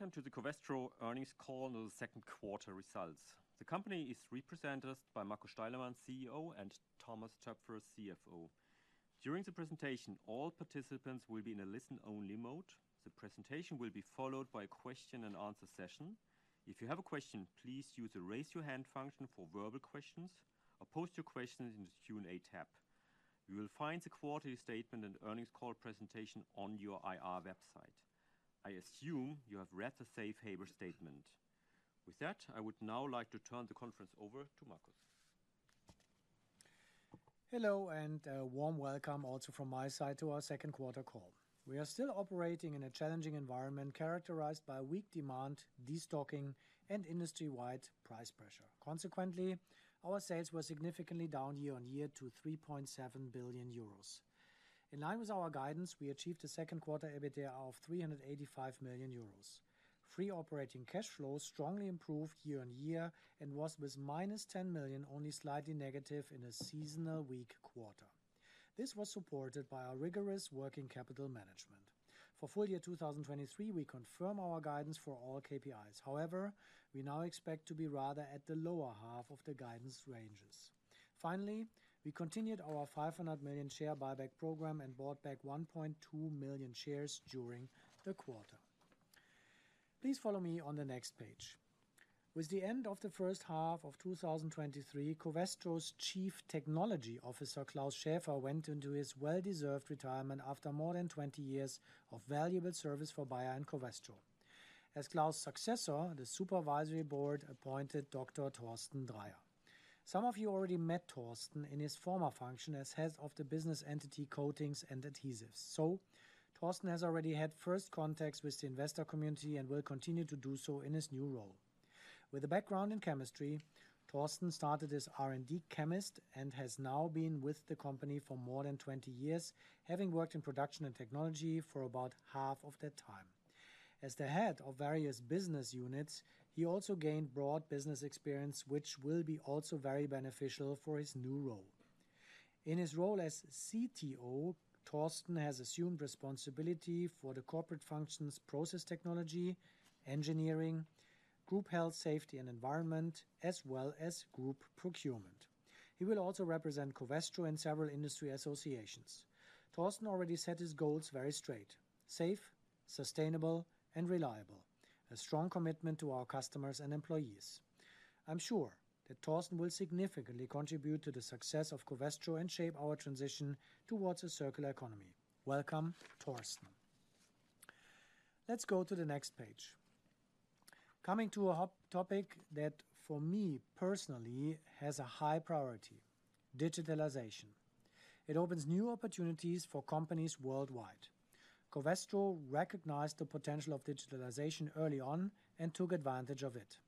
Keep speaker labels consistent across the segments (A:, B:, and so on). A: Welcome to the Covestro earnings call on the Q2 results. The company is represented by Markus Steilemann, CEO, and Thomas Toepfer, CFO. During the presentation, all participants will be in a listen-only mode. The presentation will be followed by a question-and-answer session. If you have a question, please use the Raise Your Hand function for verbal questions, or post your question in the Q&A tab. You will find the quarterly statement and earnings call presentation on your IR website. I assume you have read the safe harbor statement. With that, I would now like to turn the conference over to Markus.
B: Hello, and a warm welcome also from my side to our Q2 call. We are still operating in a challenging environment characterized by weak demand, destocking, and industry-wide price pressure. Consequently, our sales were significantly down year-on-year to 3.7 billion euros. In line with our guidance, we achieved a Q2 EBITDA of 385 million euros. Free operating cash flow strongly improved year-on-year and was, with -10 million, only slightly negative in a seasonal weak quarter. This was supported by our rigorous working capital management. For full year 2023, we confirm our guidance for all KPIs. However, we now expect to be rather at the lower half of the guidance ranges. Finally, we continued our 500 million share buyback program and bought back 1.2 million shares during the quarter. Please follow me on the next page. With the end of the H1 of 2023, Covestro's Chief Technology Officer, Klaus Schäfer, went into his well-deserved retirement after more than 20 years of valuable service for Bayer and Covestro. As Klaus' successor, the supervisory board appointed Dr. Thorsten Dreier. Some of you already met Thorsten in his former function as head of the business entity, Coatings and Adhesives. Thorsten has already had first contacts with the investor community and will continue to do so in his new role. With a background in chemistry, Thorsten started as R&D chemist and has now been with the company for more than 20 years, having worked in production and technology for about half of that time. As the head of various business units, he also gained broad business experience, which will be also very beneficial for his new role. In his role as CTO, Thorsten has assumed responsibility for the corporate functions: process technology, engineering, group health, safety, and environment, as well as group procurement. He will also represent Covestro in several industry associations. Thorsten already set his goals very straight: safe, sustainable, and reliable, a strong commitment to our customers and employees. I'm sure that Thorsten will significantly contribute to the success of Covestro and shape our transition towards a circular economy. Welcome, Thorsten. Let's go to the next page. Coming to a hot topic that, for me personally, has a high priority: digitalization. It opens new opportunities for companies worldwide. Covestro recognized the potential of digitalization early on and took advantage of it.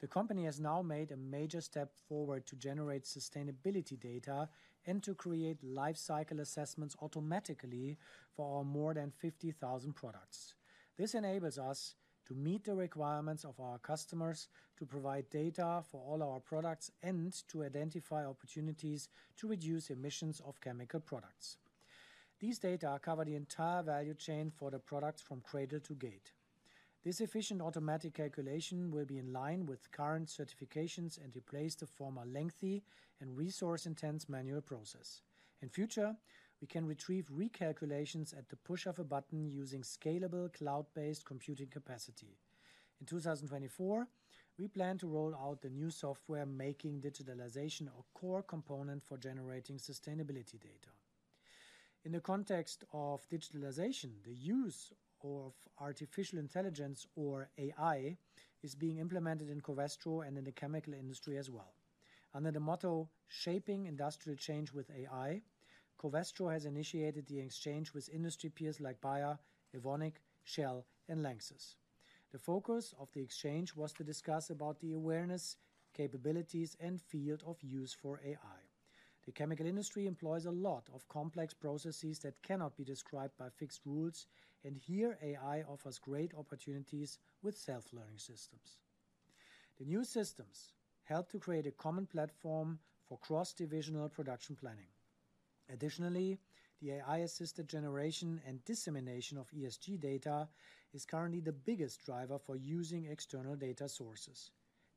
B: The company has now made a major step forward to generate sustainability data and to create Life Cycle Assessments automatically for our more than 50,000 products. This enables us to meet the requirements of our customers, to provide data for all our products, and to identify opportunities to reduce emissions of chemical products. These data cover the entire value chain for the products from cradle-to-gate. This efficient automatic calculation will be in line with current certifications and replace the former lengthy and resource-intense manual process. In future, we can retrieve recalculations at the push of a button using scalable, cloud-based computing capacity. In 2024, we plan to roll out the new software, making digitalization a core component for generating sustainability data. In the context of digitalization, the use of artificial intelligence, or AI, is being implemented in Covestro and in the chemical industry as well. Under the motto, "Shaping industrial change with AI," Covestro has initiated the exchange with industry peers like Bayer, Evonik, Shell and Lanxess. The focus of the exchange was to discuss about the awareness, capabilities, and field of use for AI. The chemical industry employs a lot of complex processes that cannot be described by fixed rules, and here AI offers great opportunities with self-learning systems. The new systems help to create a common platform for cross-divisional production planning. Additionally, the AI-assisted generation and dissemination of ESG data is currently the biggest driver for using external data sources.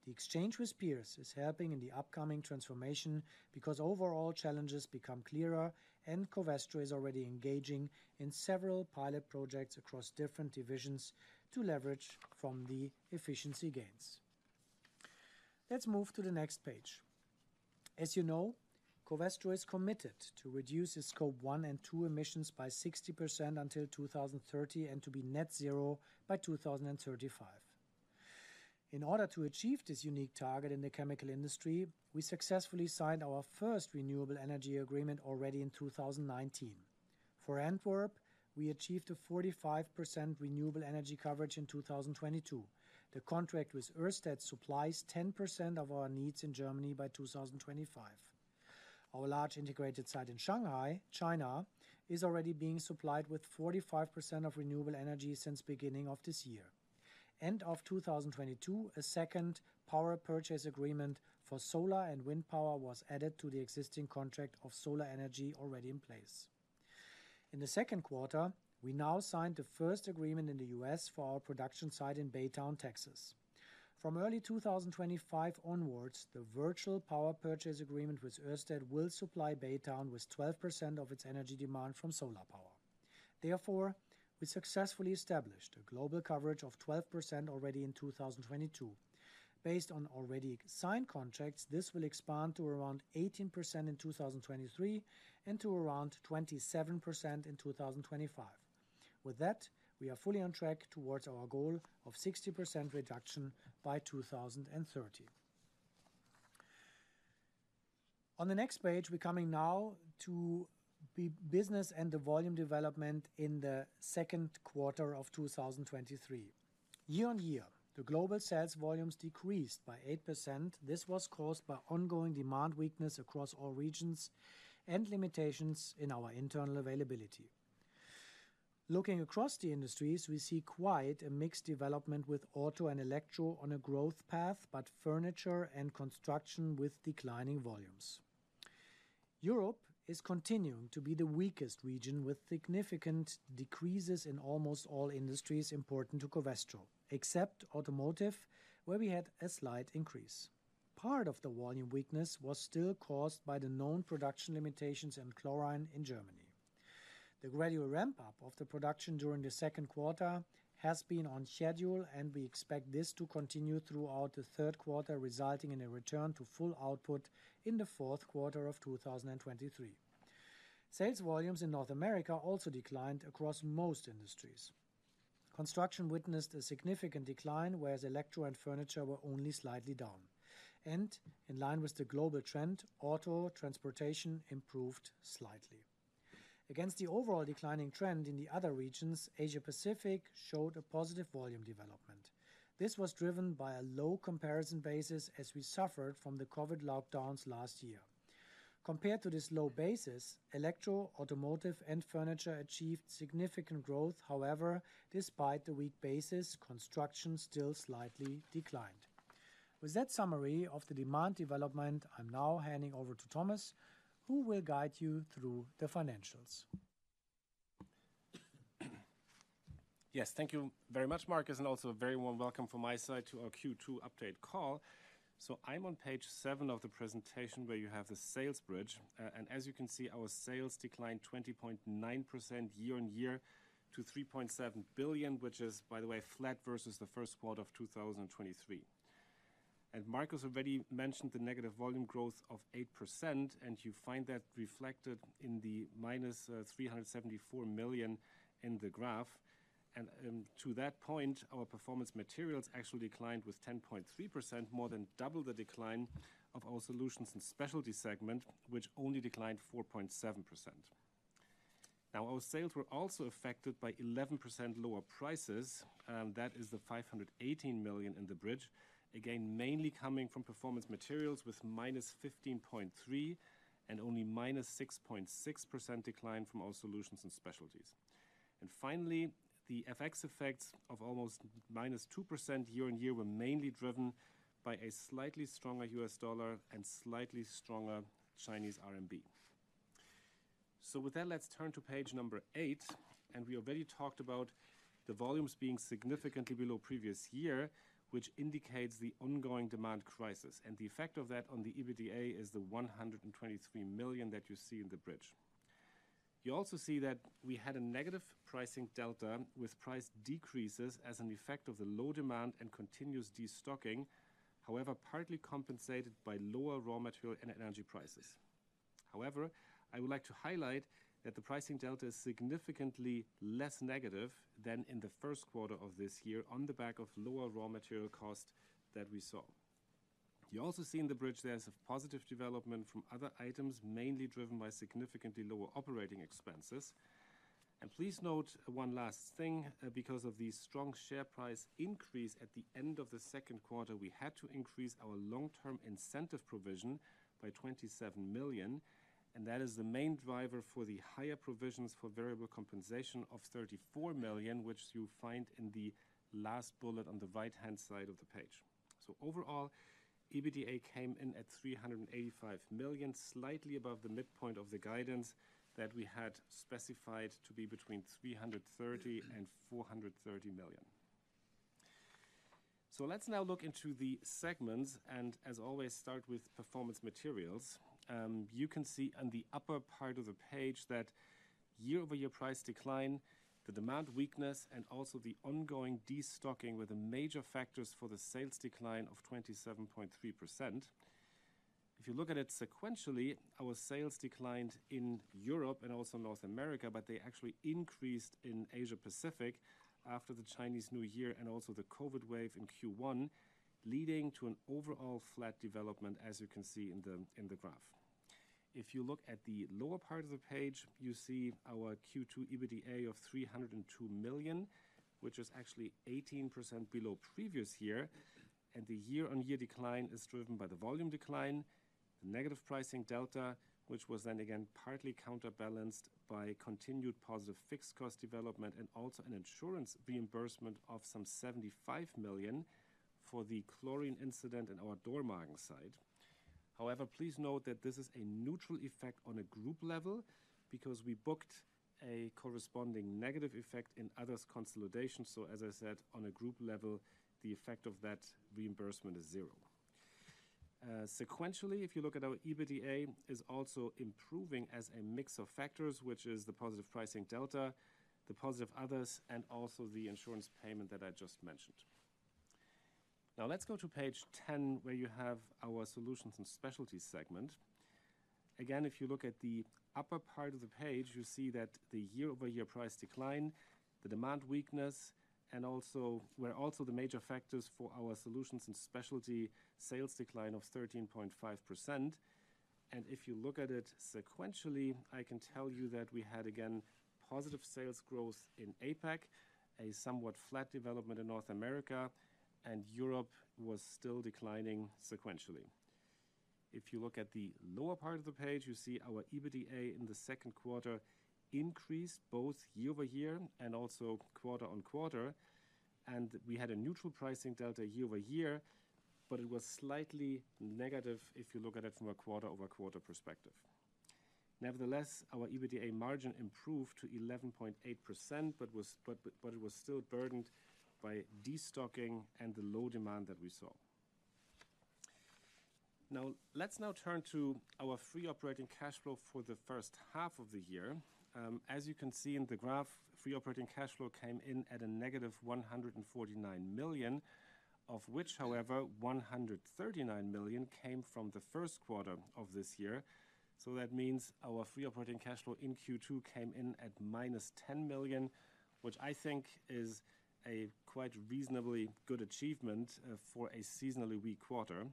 B: The exchange with peers is helping in the upcoming transformation because overall challenges become clearer, and Covestro is already engaging in several pilot projects across different divisions to leverage from the efficiency gains. Let's move to the next page. As you know, Covestro is committed to reduce its Scope 1 and 2 emissions by 60% until 2030, and to be net zero by 2035. In order to achieve this unique target in the chemical industry, we successfully signed our first renewable energy agreement already in 2019. For Antwerp, we achieved a 45% renewable energy coverage in 2022. The contract with Ørsted supplies 10% of our needs in Germany by 2025. Our large integrated site in Shanghai, China, is already being supplied with 45% of renewable energy since beginning of this year. End of 2022, a second Power Purchase Agreement for solar and wind power was added to the existing contract of solar energy already in place. In the Q2, we now signed the first agreement in the U.S. for our production site in Baytown, Texas. From early 2025 onwards, the Virtual Power Purchase Agreement with Ørsted will supply Baytown with 12% of its energy demand from solar power. Therefore, we successfully established a global coverage of 12% already in 2022. Based on already signed contracts, this will expand to around 18% in 2023, and to around 27% in 2025. With that, we are fully on track towards our goal of 60% reduction by 2030. On the next page, we're coming now to the business and the volume development in the Q2 of 2023. Year-on-year, the global sales volumes decreased by 8%. This was caused by ongoing demand weakness across all regions and limitations in our internal availability. Looking across the industries, we see quite a mixed development, with auto and electro on a growth path, but furniture and construction with declining volumes. Europe is continuing to be the weakest region, with significant decreases in almost all industries important to Covestro, except automotive, where we had a slight increase. Part of the volume weakness was still caused by the known production limitations in chlorine in Germany. The gradual ramp-up of the production during the Q2 has been on schedule, and we expect this to continue throughout the Q3, resulting in a return to full output in the Q4 of 2023. Sales volumes in North America also declined across most industries. Construction witnessed a significant decline, whereas electro and furniture were only slightly down, and in line with the global trend, auto transportation improved slightly. Against the overall declining trend in the other regions, Asia Pacific showed a positive volume development. This was driven by a low comparison basis as we suffered from the COVID lockdowns last year. Compared to this low basis, electro, automotive, and furniture achieved significant growth. However, despite the weak basis, construction still slightly declined. With that summary of the demand development, I'm now handing over to Thomas, who will guide you through the financials.
C: Yes, thank you very much, Markus, and also a very warm welcome from my side to our Q2 update call. I'm on page 7 of the presentation, where you have the sales bridge. As you can see, our sales declined 20.9% year-on-year to 3.7 billion, which is, by the way, flat versus the Q1 of 2023. Markus already mentioned the negative volume growth of 8%, and you find that reflected in the minus 374 million in the graph. To that point, our Performance Materials actually declined with 10.3%, more than double the decline of our Solutions & Specialties segment, which only declined 4.7%. Our sales were also affected by 11% lower prices, and that is the 518 million in the bridge. Again, mainly coming from Performance Materials with -15.3% and only -6.6% decline from our Solutions & Specialties. Finally, the FX effects of almost -2% year-on-year were mainly driven by a slightly stronger US dollar and slightly stronger Chinese RMB. With that, let's turn to page 8, and we already talked about the volumes being significantly below previous year, which indicates the ongoing demand crisis. The effect of that on the EBITDA is the 123 million that you see in the bridge. You also see that we had a negative pricing delta, with price decreases as an effect of the low demand and continuous destocking, however, partly compensated by lower raw material and energy prices. I would like to highlight that the pricing delta is significantly less negative than in the Q1 of this year on the back of lower raw material cost that we saw. You also see in the bridge there is a positive development from other items, mainly driven by significantly lower operating expenses. Please note one last thing, because of the strong share price increase at the end of the Q2, we had to increase our long-term incentive provision by 27 million, and that is the main driver for the higher provisions for variable compensation of 34 million, which you find in the last bullet on the right-hand side of the page. Overall, EBITDA came in at $385 million, slightly above the midpoint of the guidance that we had specified to be between $330 million and $430 million. Let's now look into the segments, and as always, start with Performance Materials. You can see on the upper part of the page that year-over-year price decline, the demand weakness, and also the ongoing destocking were the major factors for the sales decline of 27.3%. If you look at it sequentially, our sales declined in Europe and also North America, but they actually increased in Asia Pacific after the Chinese New Year and also the COVID wave in Q1, leading to an overall flat development, as you can see in the graph. If you look at the lower part of the page, you see our Q2 EBITDA of 302 million, which is actually 18% below previous year. The year-on-year decline is driven by the volume decline, the negative pricing delta, which was then again partly counterbalanced by continued positive fixed cost development and also an insurance reimbursement of some 75 million for the chlorine incident in our Dormagen site. Please note that this is a neutral effect on a group level, because we booked a corresponding negative effect in others consolidation. As I said, on a group level, the effect of that reimbursement is zero. Sequentially, if you look at our EBITDA, is also improving as a mix of factors, which is the positive pricing delta, the positive others, and also the insurance payment that I just mentioned. Now let's go to page 10, where you have our Solutions & Specialties segment. Again, if you look at the upper part of the page, you see that the year-over-year price decline, the demand weakness, were also the major factors for our Solutions & Specialties sales decline of 13.5%. If you look at it sequentially, I can tell you that we had, again, positive sales growth in APAC, a somewhat flat development in North America, and Europe was still declining sequentially. If you look at the lower part of the page, you see our EBITDA in the Q2 increased both year-over-year and also quarter-on-quarter, and we had a neutral pricing delta year-over-year, but it was slightly negative if you look at it from a quarter-over-quarter perspective. Nevertheless, our EBITDA margin improved to 11.8%, but was, but, but, but it was still burdened by destocking and the low demand that we saw. Let's now turn to our free operating cash flow for the H1 of the year. As you can see in the graph, free operating cash flow came in at a negative 149 million, of which, however, 139 million came from the Q1 of this year. That means our free operating cash flow in Q2 came in at minus 10 million, which I think is a quite reasonably good achievement for a seasonally weak quarter.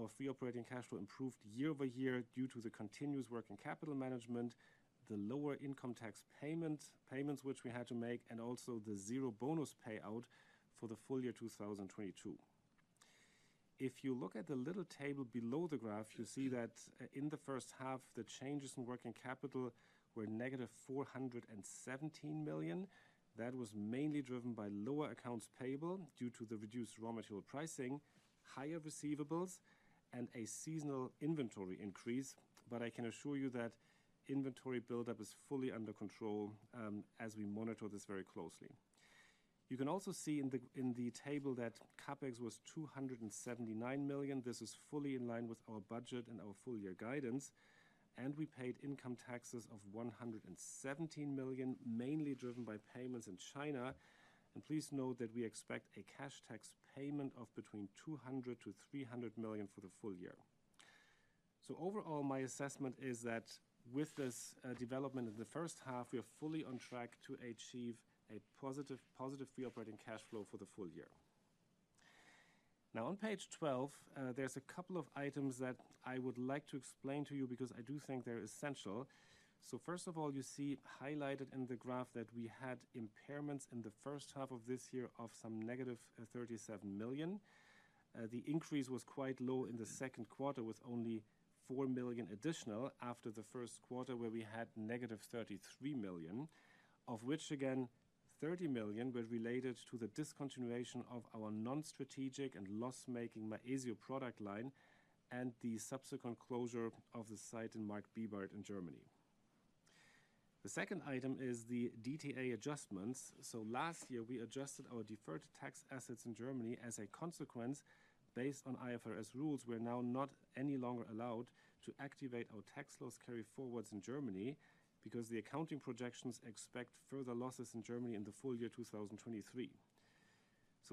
C: Our free operating cash flow improved year-over-year due to the continuous working capital management, the lower income tax payment, payments which we had to make, and also the zero bonus payout for the full year 2022. If you look at the little table below the graph, you see that in the H1, the changes in working capital were negative 417 million. That was mainly driven by lower accounts payable due to the reduced raw material pricing, higher receivables, and a seasonal inventory increase. I can assure you that inventory buildup is fully under control as we monitor this very closely. You can also see in the table that CapEx was 279 million. This is fully in line with our budget and our full-year guidance. We paid income taxes of 117 million, mainly driven by payments in China. Please note that we expect a cash tax payment of between 200 million-300 million for the full year. Overall, my assessment is that with this development in the H1, we are fully on track to achieve a positive, positive free operating cash flow for the full year. On page 12, there's a couple of items that I would like to explain to you, because I do think they're essential. First of all, you see highlighted in the graph that we had impairments in the H1 of this year of some negative 37 million. The increase was quite low in the Q2, with only 4 million additional after the Q1, where we had negative 33 million. Of which, again, 30 million were related to the discontinuation of our non-strategic and loss-making Maezio product line and the subsequent closure of the site in Mark Bibart, in Germany. The second item is the DTA adjustments. Last year, we adjusted our deferred tax assets in Germany as a consequence. Based on IFRS rules, we're now not any longer allowed to activate our tax loss carryforwards in Germany, because the accounting projections expect further losses in Germany in the full year 2023.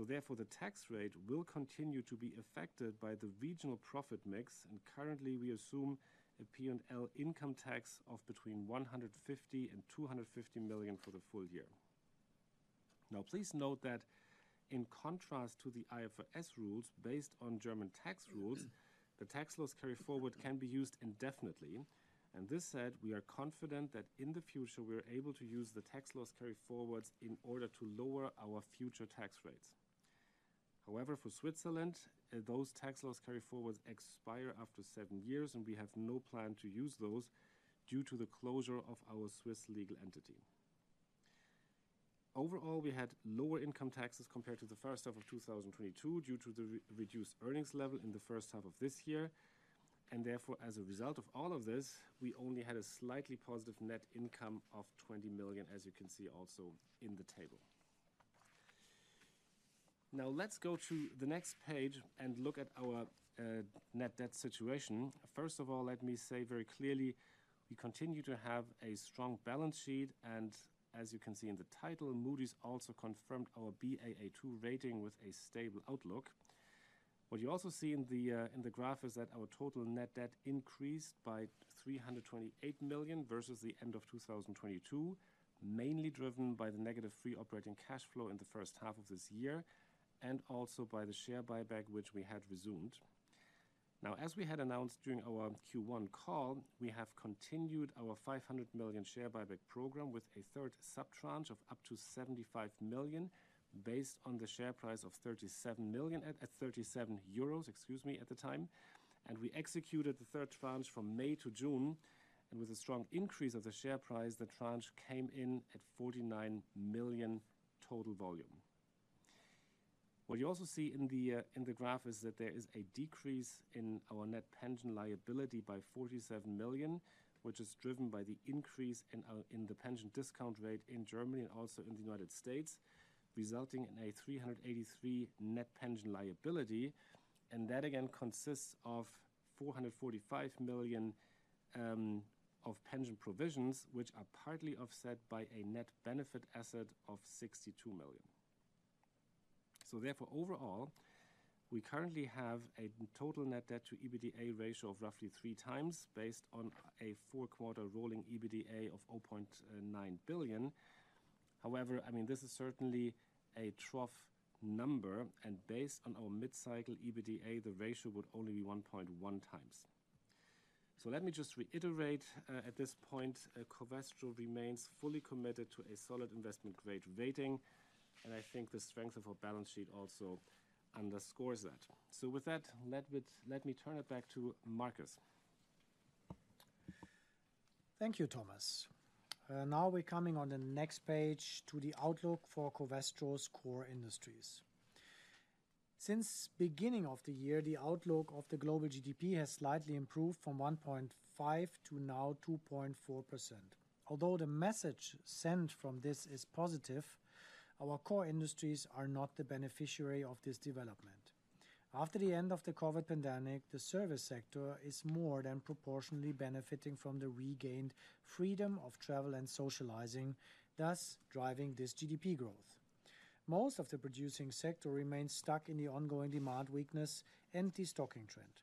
C: Therefore, the tax rate will continue to be affected by the regional profit mix, and currently, we assume a P&L income tax of between 150 million and 250 million for the full year. Now, please note that in contrast to the IFRS rules, based on German tax rules, the tax loss carryforward can be used indefinitely. This said, we are confident that in the future, we are able to use the tax loss carryforwards in order to lower our future tax rates. However, for Switzerland, those tax loss carryforwards expire after 7 years, and we have no plan to use those due to the closure of our Swiss legal entity. Overall, we had lower income taxes compared to the H1 of 2022, due to the re-reduced earnings level in the H1 of this year. Therefore, as a result of all of this, we only had a slightly positive net income of 20 million, as you can see also in the table. Now, let's go to the next page and look at our net debt situation. First of all, let me say very clearly, we continue to have a strong balance sheet, and as you can see in the title, Moody's also confirmed our Baa2 rating with a stable outlook. What you also see in the graph is that our total net debt increased by 328 million versus the end of 2022, mainly driven by the negative free operating cash flow in the H1 of this year, and also by the share buyback, which we had resumed. Now, as we had announced during our Q1 call, we have continued our 500 million share buyback program with a third sub-tranche of up to 75 million, based on the share price of 37, excuse me, at the time. We executed the third tranche from May to June, and with a strong increase of the share price, the tranche came in at 49 million total volume. What you also see in the graph is that there is a decrease in our net pension liability by 47 million, which is driven by the increase in our, in the pension discount rate in Germany and also in the United States, resulting in a 383 net pension liability. That, again, consists of 445 million of pension provisions, which are partly offset by a net benefit asset of 62 million. Therefore, overall, we currently have a total net debt to EBITDA ratio of roughly 3 times, based on a four-quarter rolling EBITDA of 0.9 billion. However, I mean, this is certainly a trough number, and based on our mid-cycle EBITDA, the ratio would only be 1.1 times. Let me just reiterate, at this point, Covestro remains fully committed to a solid investment-grade rating, and I think the strength of our balance sheet also underscores that. With that, let me, let me turn it back to Markus.
B: Thank you, Thomas. Now we're coming on the next page to the outlook for Covestro's core industries. Since beginning of the year, the outlook of the global GDP has slightly improved from 1.5 to now 2.4%. Although the message sent from this is positive, our core industries are not the beneficiary of this development. After the end of the COVID pandemic, the service sector is more than proportionally benefiting from the regained freedom of travel and socializing, thus driving this GDP growth. Most of the producing sector remains stuck in the ongoing demand weakness and de-stocking trend.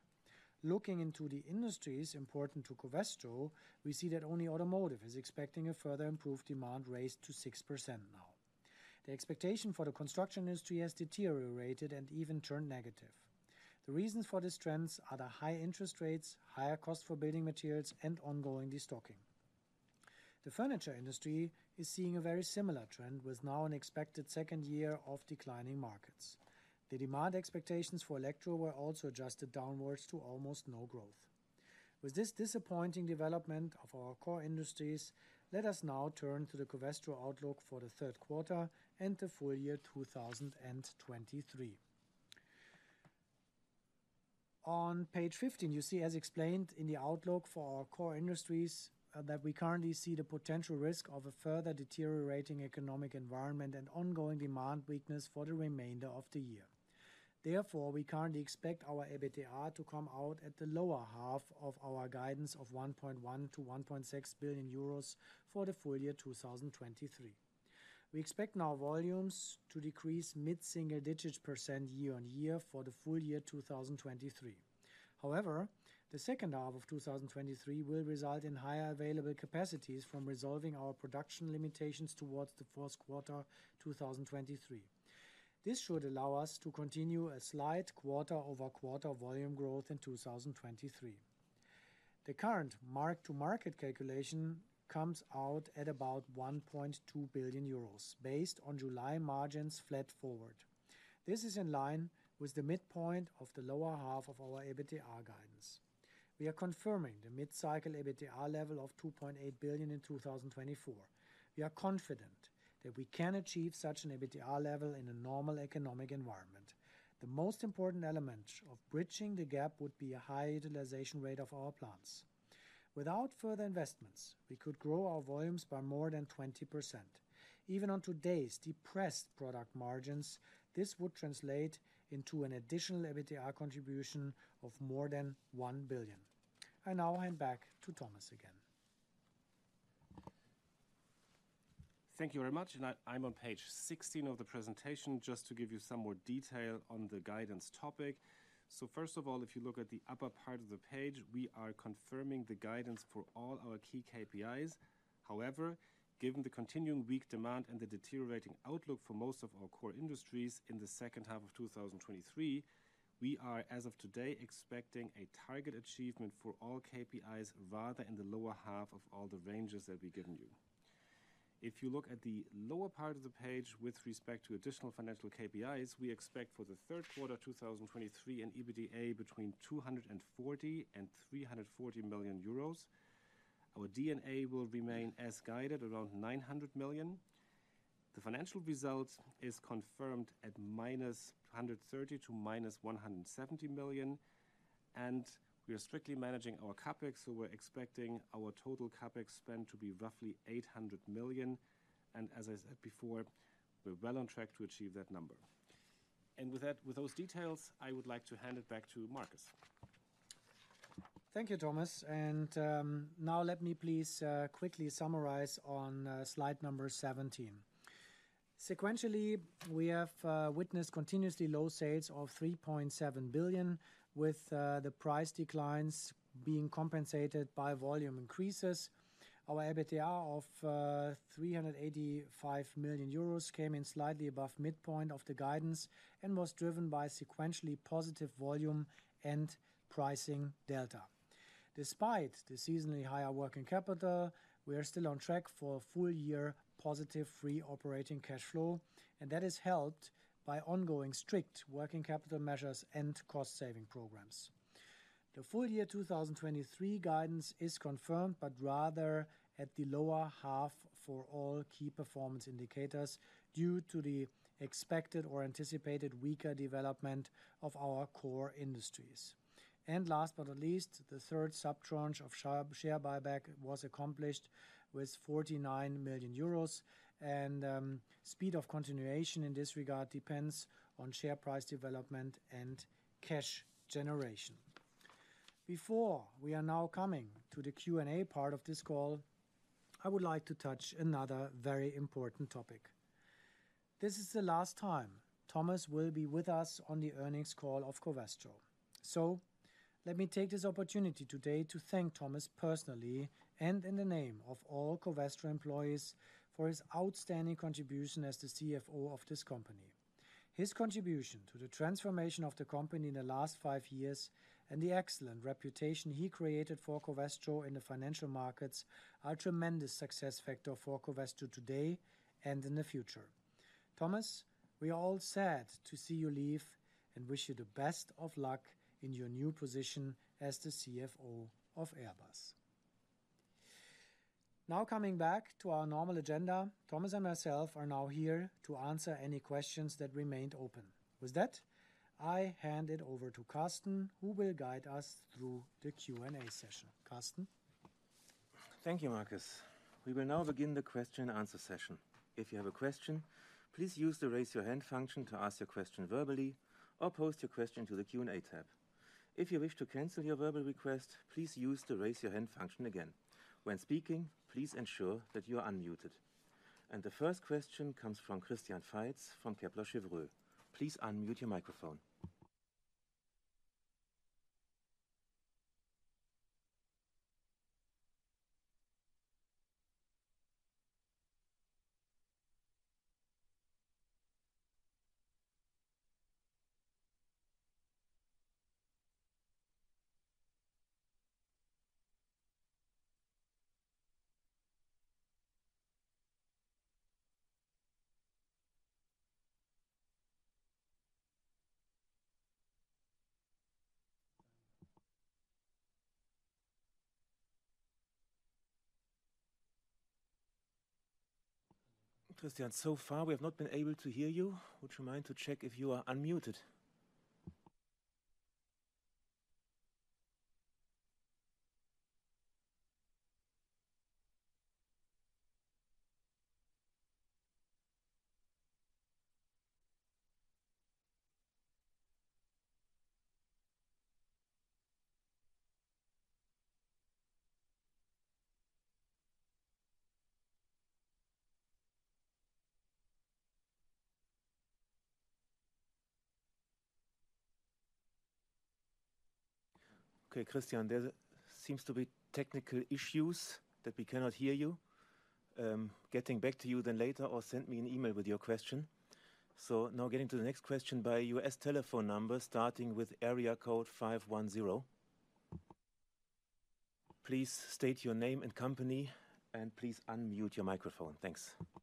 B: Looking into the industries important to Covestro, we see that only automotive is expecting a further improved demand raised to 6% now. The expectation for the construction industry has deteriorated and even turned negative. The reasons for these trends are the high interest rates, higher cost for building materials, and ongoing de-stocking. The furniture industry is seeing a very similar trend, with now an expected second year of declining markets. The demand expectations for electro were also adjusted downwards to almost no growth. With this disappointing development of our core industries, let us now turn to the Covestro outlook for the Q3 and the full year 2023. On page 15, you see, as explained in the outlook for our core industries, that we currently see the potential risk of a further deteriorating economic environment and ongoing demand weakness for the remainder of the year. Therefore, we currently expect our EBITDA to come out at the lower half of our guidance of 1.1 billion-1.6 billion euros for the full year 2023. We expect now volumes to decrease mid-single digits % year-on-year for the full year 2023. However, the H2 of 2023 will result in higher available capacities from resolving our production limitations towards the Q1 2023. This should allow us to continue a slight quarter-over-quarter volume growth in 2023. The current mark-to-market calculation comes out at about 1.2 billion euros, based on July margins flat forward. This is in line with the midpoint of the lower half of our EBITDA guidance. We are confirming the mid-cycle EBITDA level of 2.8 billion in 2024. We are confident that we can achieve such an EBITDA level in a normal economic environment. The most important element of bridging the gap would be a high utilization rate of our plants. Without further investments, we could grow our volumes by more than 20%. Even on today's depressed product margins, this would translate into an additional EBITDA contribution of more than 1 billion. I now hand back to Thomas again.
C: Thank you very much, I'm on page 16 of the presentation, just to give you some more detail on the guidance topic. First of all, if you look at the upper part of the page, we are confirming the guidance for all our key KPIs. However, given the continuing weak demand and the deteriorating outlook for most of our core industries in the H2 of 2023, we are, as of today, expecting a target achievement for all KPIs rather in the lower half of all the ranges that we've given you. If you look at the lower part of the page with respect to additional financial KPIs, we expect for the Q3 2023, an EBITDA between 240 million and 340 million euros. Our D&A will remain as guided, around 900 million. The financial result is confirmed at minus 130 million to minus 170 million. We are strictly managing our CapEx, so we're expecting our total CapEx spend to be roughly 800 million. As I said before, we're well on track to achieve that number. With that, with those details, I would like to hand it back to Markus.
B: Thank you, Thomas, now let me please quickly summarize on slide number 17. Sequentially, we have witnessed continuously low sales of 3.7 billion, with the price declines being compensated by volume increases. Our EBITDA of 385 million euros came in slightly above midpoint of the guidance and was driven by sequentially positive volume and pricing delta. Despite the seasonally higher working capital, we are still on track for a full-year positive free operating cash flow, and that is helped by ongoing strict working capital measures and cost-saving programs. The full year 2023 guidance is confirmed, but rather at the lower half for all key performance indicators, due to the expected or anticipated weaker development of our core industries. Last but not least, the third sub-tranche of share buyback was accomplished with 49 million euros, and speed of continuation in this regard depends on share price development and cash generation. Before we are now coming to the Q&A part of this call, I would like to touch another very important topic. This is the last time Thomas will be with us on the earnings call of Covestro. Let me take this opportunity today to thank Thomas personally, and in the name of all Covestro employees, for his outstanding contribution as the CFO of this company. His contribution to the transformation of the company in the last five years and the excellent reputation he created for Covestro in the financial markets, are a tremendous success factor for Covestro today and in the future. Thomas, we are all sad to see you leave, and wish you the best of luck in your new position as the CFO of Airbus. Now, coming back to our normal agenda, Thomas and myself are now here to answer any questions that remained open. With that, I hand it over to Carsten, who will guide us through the Q&A session. Carsten?
D: Thank you, Markus. We will now begin the question and answer session. If you have a question, please use the Raise Your Hand function to ask your question verbally or post your question to the Q&A tab. If you wish to cancel your verbal request, please use the Raise Your Hand function again. When speaking, please ensure that you are unmuted. The first question comes from Christian Veith from Kepler Cheuvreux. Please unmute your microphone. Christian, so far, we have not been able to hear you. Would you mind to check if you are unmuted? Okay, Christian, there seems to be technical issues that we cannot hear you. Getting back to you later, or send me an email with your question. Now getting to the next question by a U.S. telephone number, starting with area code 510. Please state your name and company, and please unmute your microphone. Thanks. I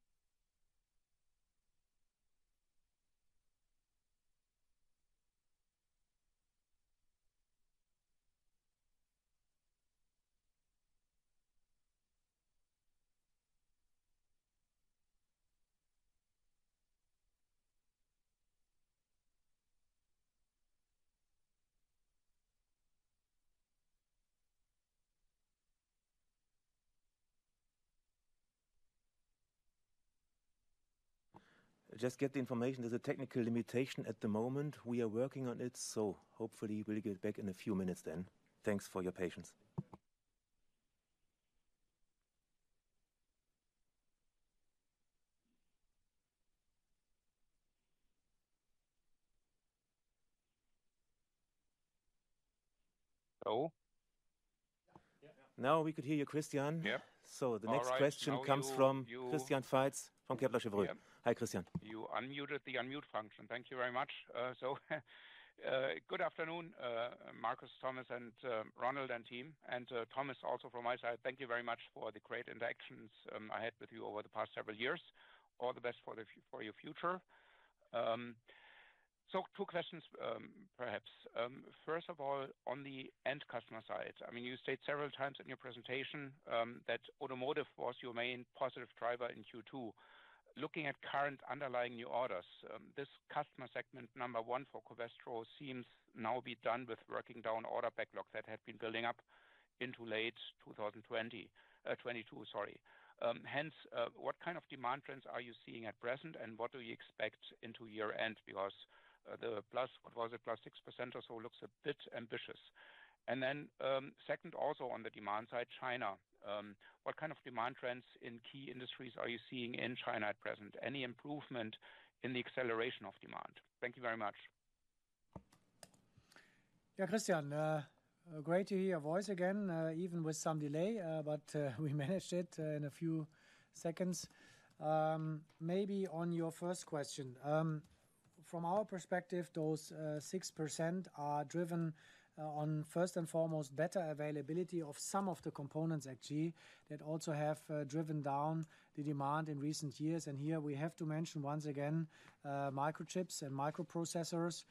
D: just get the information there's a technical limitation at the moment. We are working on it, so hopefully we'll get back in a few minutes then. Thanks for your patience.
E: Hello?
D: Now we could hear you, Christian.
E: Yeah.
D: The next question comes from.
E: All right.
D: Christian Veith from Kepler Cheuvreux.
E: Yeah.
D: Hi, Christian.
E: You unmuted the unmute function. Thank you very much. Good afternoon, Markus, Thomas, and Ronald, and team. Thomas, also from my side, thank you very much for the great interactions I had with you over the past several years. All the best for the, for your future. 2 questions, perhaps. First of all, on the end customer side, I mean, you stated several times in your presentation that automotive was your main positive driver in Q2. Looking at current underlying new orders, this customer segment number 1 for Covestro, seems now be done with working down order backlogs that had been building up into late 2020, 22, sorry. Hence, what kind of demand trends are you seeing at present, and what do you expect into year-end? Because the plus, what was it? +6% or so, looks a bit ambitious. Second, also on the demand side, China, what kind of demand trends in key industries are you seeing in China at present? Any improvement in the acceleration of demand? Thank you very much.
B: Yeah, Christian, great to hear your voice again, even with some delay, but we managed it in a few seconds. Maybe on your first question, from our perspective, those 6% are driven on first and foremost, better availability of some of the components actually, that also have driven down the demand in recent years. Here we have to mention, once again, microchips and microprocessors.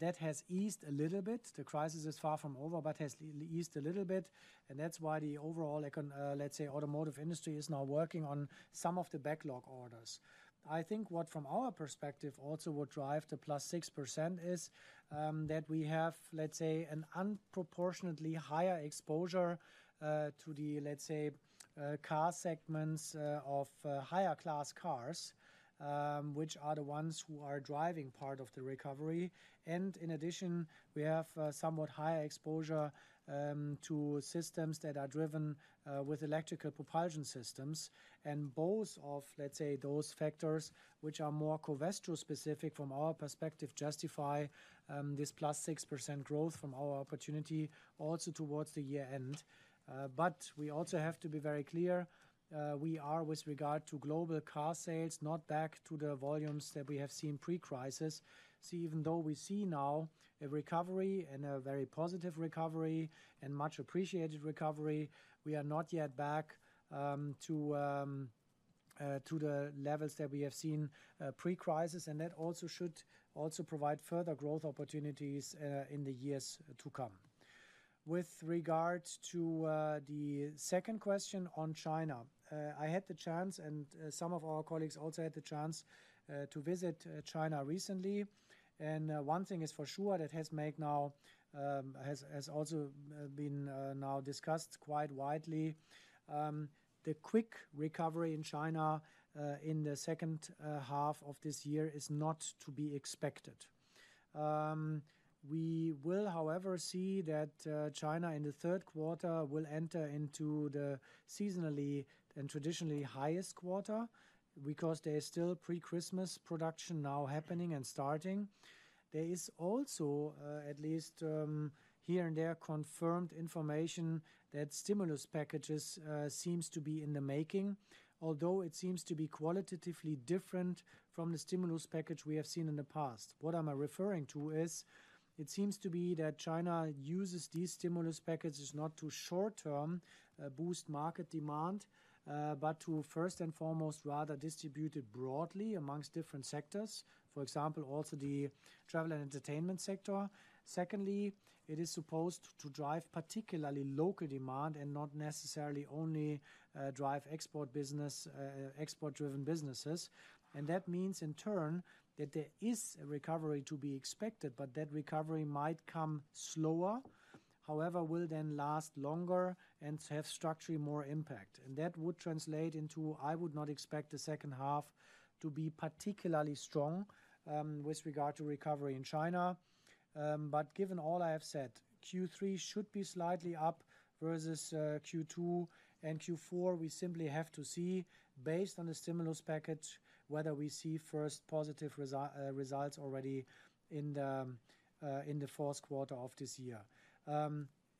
B: That has eased a little bit. The crisis is far from over, but has eased a little bit, and that's why the overall automotive industry is now working on some of the backlog orders. I think what from our perspective also will drive the +6% is that we have, let's say, an unproportionately higher exposure to the, let's say, car segments of higher class cars, which are the ones who are driving part of the recovery. In addition, we have somewhat higher exposure to systems that are driven with electrical propulsion systems. Both of, let's say, those factors, which are more Covestro specific from our perspective, justify this +6% growth from our opportunity also towards the year end. We also have to be very clear, we are, with regard to global car sales, not back to the volumes that we have seen pre-crisis. See, even though we see now a recovery and a very positive recovery and much appreciated recovery, we are not yet back to the levels that we have seen pre-crisis, and that also should also provide further growth opportunities in the years to come. With regards to the second question on China, I had the chance, and some of our colleagues also had the chance to visit China recently. One thing is for sure, that has made now, has, has also been now discussed quite widely, the quick recovery in China in the H2 of this year is not to be expected. We will, however, see that China in the Q3 will enter into the seasonally and traditionally highest quarter because there is still pre-Christmas production now happening and starting. There is also, at least, here and there, confirmed information that stimulus packages seems to be in the making, although it seems to be qualitatively different from the stimulus package we have seen in the past. What am I referring to is, it seems to be that China uses these stimulus packages not to short-term boost market demand, but to first and foremost, rather distribute it broadly amongst different sectors, for example, also the travel and entertainment sector. Secondly, it is supposed to drive particularly local demand and not necessarily only drive export business, export-driven businesses. That means, in turn, that there is a recovery to be expected, but that recovery might come slower, however, will then last longer and have structurally more impact. That would translate into, I would not expect the H2 to be particularly strong with regard to recovery in China. Given all I have said, Q3 should be slightly up versus Q2 and Q4, we simply have to see, based on the stimulus package, whether we see first positive results already in the Q4 of this year.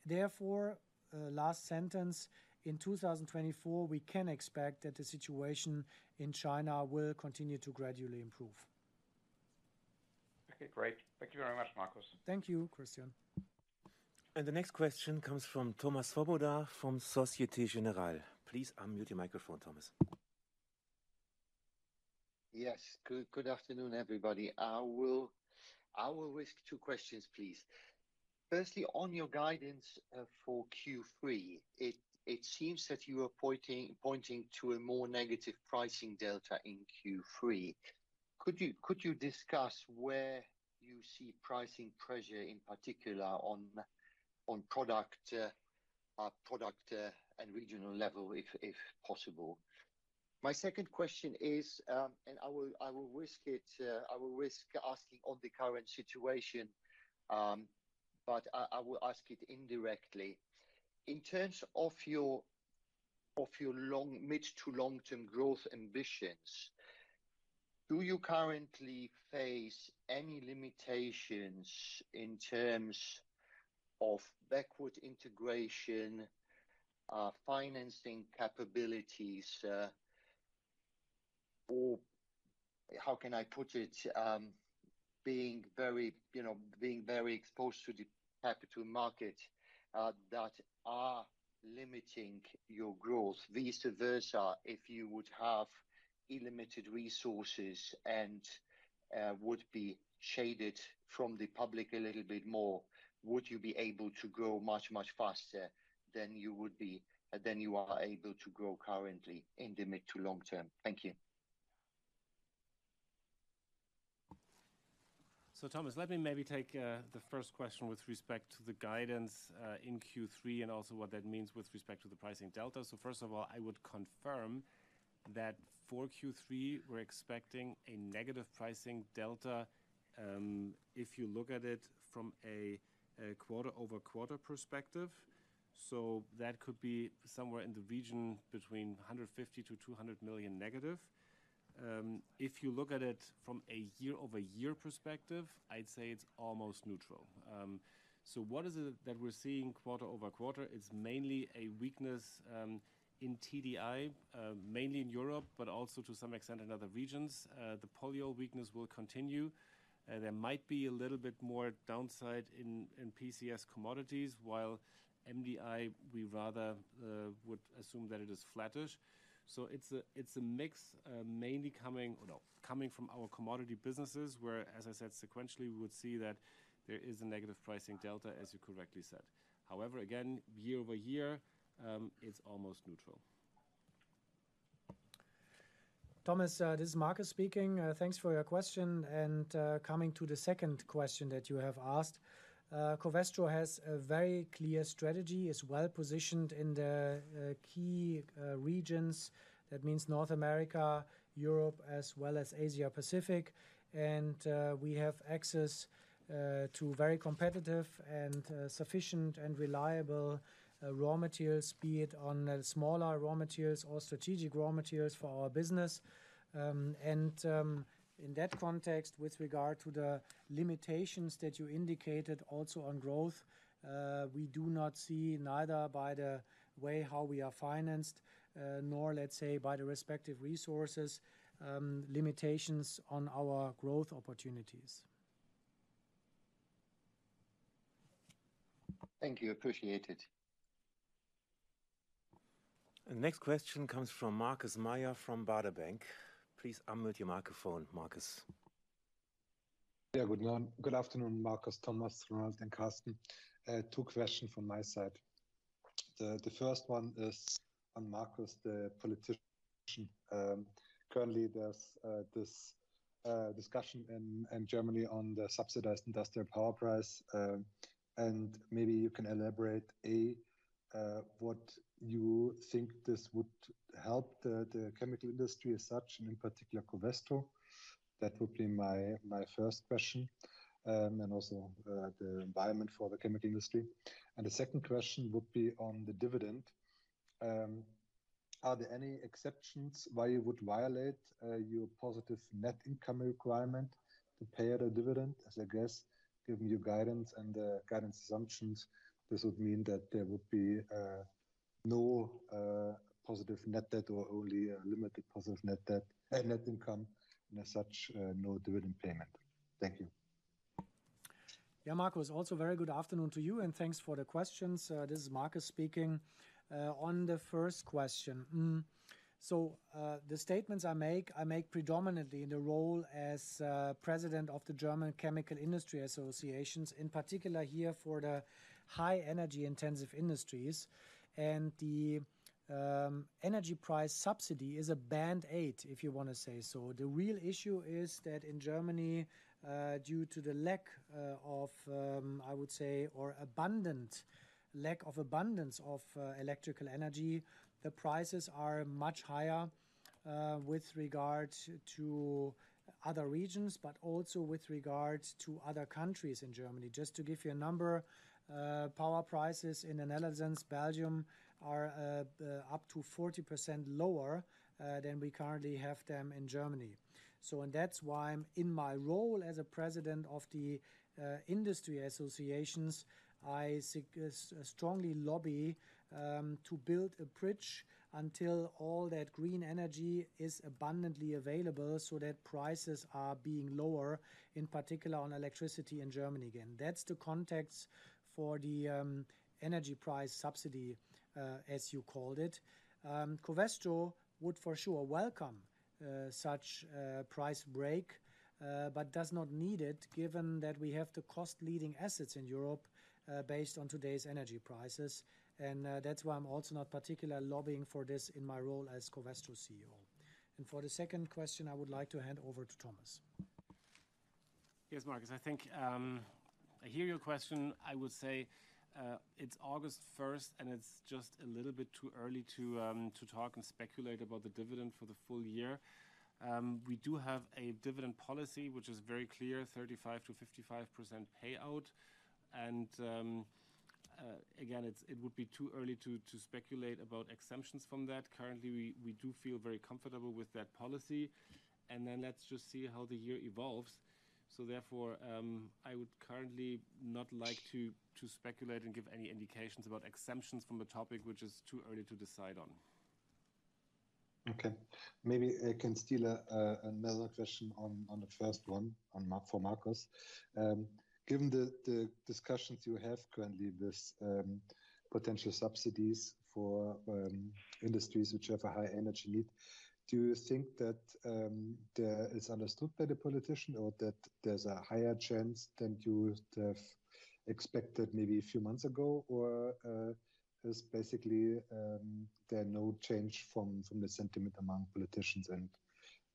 B: Therefore, last sentence, in 2024, we can expect that the situation in China will continue to gradually improve.
E: Okay, great. Thank you very much, Markus.
B: Thank you, Christian.
D: The next question comes from Thomas Swoboda from Société Générale. Please unmute your microphone, Thomas.
F: Yes, good, good afternoon, everybody. I will risk 2 questions, please. Firstly, on your guidance for Q3, it seems that you are pointing to a more negative pricing delta in Q3. Could you discuss where you see pricing pressure, in particular on product and regional level if possible? My second question is, I will risk it, I will risk asking on the current situation, but I will ask it indirectly. In terms of your mid to long-term growth ambitions, do you currently face any limitations in terms of backward integration, financing capabilities, or how can I put it? Being very, you know, exposed to the capital market that are limiting your growth. Vice versa, if you would have unlimited resources and would be shaded from the public a little bit more, would you be able to grow much, much faster than you are able to grow currently in the mid to long term? Thank you.
C: Thomas, let me maybe take the first question with respect to the guidance in Q3 and also what that means with respect to the pricing delta. First of all, I would confirm that for Q3, we're expecting a negative pricing delta, if you look at it from a quarter-over-quarter perspective, that could be somewhere in the region between 150 million-200 million negative. If you look at it from a year-over-year perspective, I'd say it's almost neutral. What is it that we're seeing quarter over quarter? It's mainly a weakness in TDI, mainly in Europe, but also to some extent in other regions. The polyol weakness will continue, there might be a little bit more downside in polycarbonates commodities, while MDI, we rather would assume that it is flattish. It's a, it's a mix, mainly coming Well, coming from our commodity businesses, where, as I said, sequentially, we would see that there is a negative pricing delta, as you correctly said. However, again, year-over-year, it's almost neutral.
B: Thomas, this is Markus speaking. Thanks for your question. And, coming to the second question that you have asked, Covestro has a very clear strategy, is well-positioned in the key regions. That means North America, Europe, as well as Asia Pacific. And, we have access to very competitive and sufficient and reliable raw materials, be it on smaller raw materials or strategic raw materials for our business. And, in that context, with regard to the limitations that you indicated also on growth, we do not see, neither by the way how we are financed, nor, let's say, by the respective resources, limitations on our growth opportunities.
F: Thank you. Appreciated.
D: The next question comes from Markus Mayer from Baader Bank. Please unmute your microphone, Marcus.
G: Yeah. Good afternoon, Markus, Thomas, Ronald, and Carsten. Two questions from my side. The first one is on, Markus, the politician. Currently, there's this discussion in Germany on the subsidized industrial power price. And maybe you can elaborate, A, what you think this would help the chemical industry as such, and in particular, Covestro. That would be my, my first question. And also, the environment for the chemical industry. The second question would be on the dividend. Are there any exceptions why you would violate your positive net income requirement to pay out a dividend? As I guess, given your guidance and the guidance assumptions, this would mean that there would be no positive net debt or only a limited positive net debt, net income, and as such, no dividend payment. Thank you.
B: Yeah, Markus, also very good afternoon to you, and thanks for the questions. This is Markus speaking. On the first question, the statements I make, I make predominantly in the role as President of the German Chemical Industry Association, in particular here for the high energy-intensive industries. The energy price subsidy is a band-aid, if you want to say so. The real issue is that in Germany, due to the lack of, I would say, or abundant, lack of abundance of electrical energy, the prices are much higher with regard to other regions, but also with regard to other countries in Germany. Just to give you a number, power prices in the Netherlands, Belgium, are up to 40% lower than we currently have them in Germany. That's why in my role as a president of the industry associations, I seek, strongly lobby, to build a bridge until all that green energy is abundantly available, so that prices are being lower, in particular, on electricity in Germany again. That's the context for the energy price subsidy, as you called it. Covestro would for sure welcome such price break, but does not need it, given that we have the cost-leading assets in Europe, based on today's energy prices. That's why I'm also not particularly lobbying for this in my role as Covestro CEO. For the second question, I would like to hand over to Thomas.
C: Yes, Markus, I think, I hear your question. I would say, it's August 1st, and it's just a little bit too early to talk and speculate about the dividend for the full year. We do have a dividend policy, which is very clear, 35%-55% payout. Again, it would be too early to speculate about exemptions from that. Currently, we do feel very comfortable with that policy, and then let's just see how the year evolves. Therefore, I would currently not like to speculate and give any indications about exemptions from the topic, which is too early to decide on.
G: Okay. Maybe I can steal another question on the first one, for Markus. Given the discussions you have currently with potential subsidies for industries which have a high energy need, do you think that the... it's understood by the politician or that there's a higher chance than you would have expected maybe a few months ago? is basically there are no change from the sentiment among politicians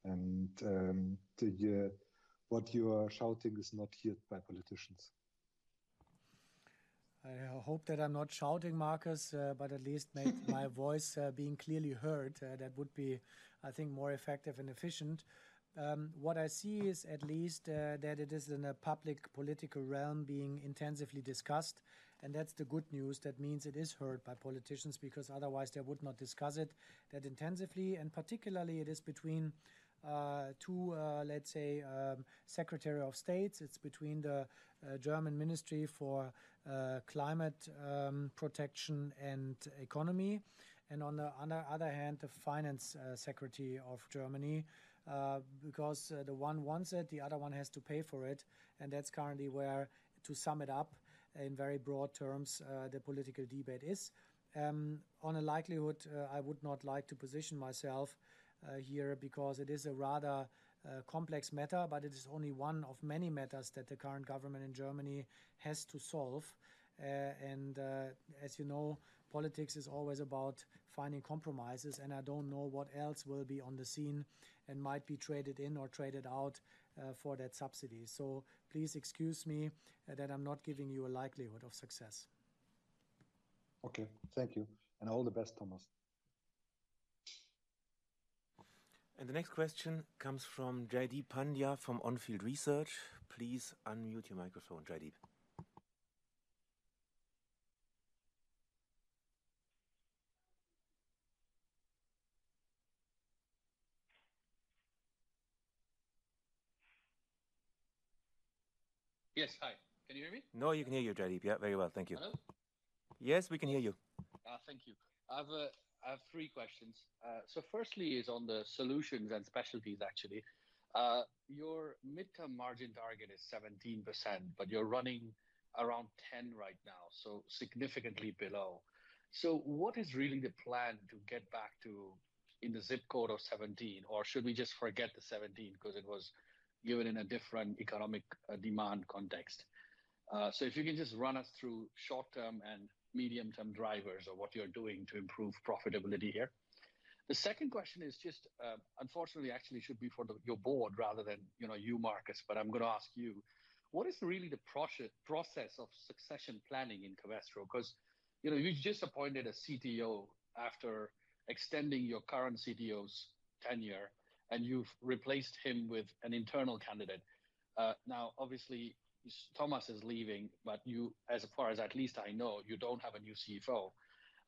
G: and the what you are shouting is not heard by politicians?
B: I hope that I'm not shouting, Markus, but at least make my voice being clearly heard, that would be, I think, more effective and efficient. What I see is at least, that it is in a public political realm being intensively discussed, that's the good news. That means it is heard by politicians, because otherwise they would not discuss it that intensively. Particularly it is between two, let's say, secretary of states. It's between the German Ministry for Climate Protection and Economy, and on the other, other hand, the finance secretary of Germany, because the one wants it, the other one has to pay for it. That's currently where, to sum it up in very broad terms, the political debate is. On a likelihood, I would not like to position myself here because it is a rather complex matter, but it is only one of many matters that the current government in Germany has to solve. As you know, politics is always about finding compromises, and I don't know what else will be on the scene and might be traded in or traded out for that subsidy. Please excuse me that I'm not giving you a likelihood of success.
G: Okay. Thank you, and all the best, Thomas.
D: The next question comes from Jaideep Pandya from On Field Research. Please unmute your microphone, Jaideep.
H: Yes, hi. Can you hear me?
D: No, we can hear you, Jaideep. Yeah, very well. Thank you.
H: Hello?
D: Yes, we can hear you.
H: Thank you. I've, I have 3 questions. Firstly is on the Solutions & Specialties actually. Your midterm margin target is 17%, but you're running around 10 right now, so significantly below. What is really the plan to get back to in the zip code of 17, or should we just forget the 17 because it was given in a different economic, demand context? If you can just run us through short-term and medium-term drivers of what you're doing to improve profitability here. The second question is just, unfortunately, actually should be for the, your board rather than, you know, you, Markus, but I'm gonna ask you. What is really the process of succession planning in Covestro? 'Cause, you know, you just appointed a CTO after extending your current CTO's tenure, and you've replaced him with an internal candidate. Now, obviously, Thomas is leaving, but you, as far as at least I know, you don't have a new CFO.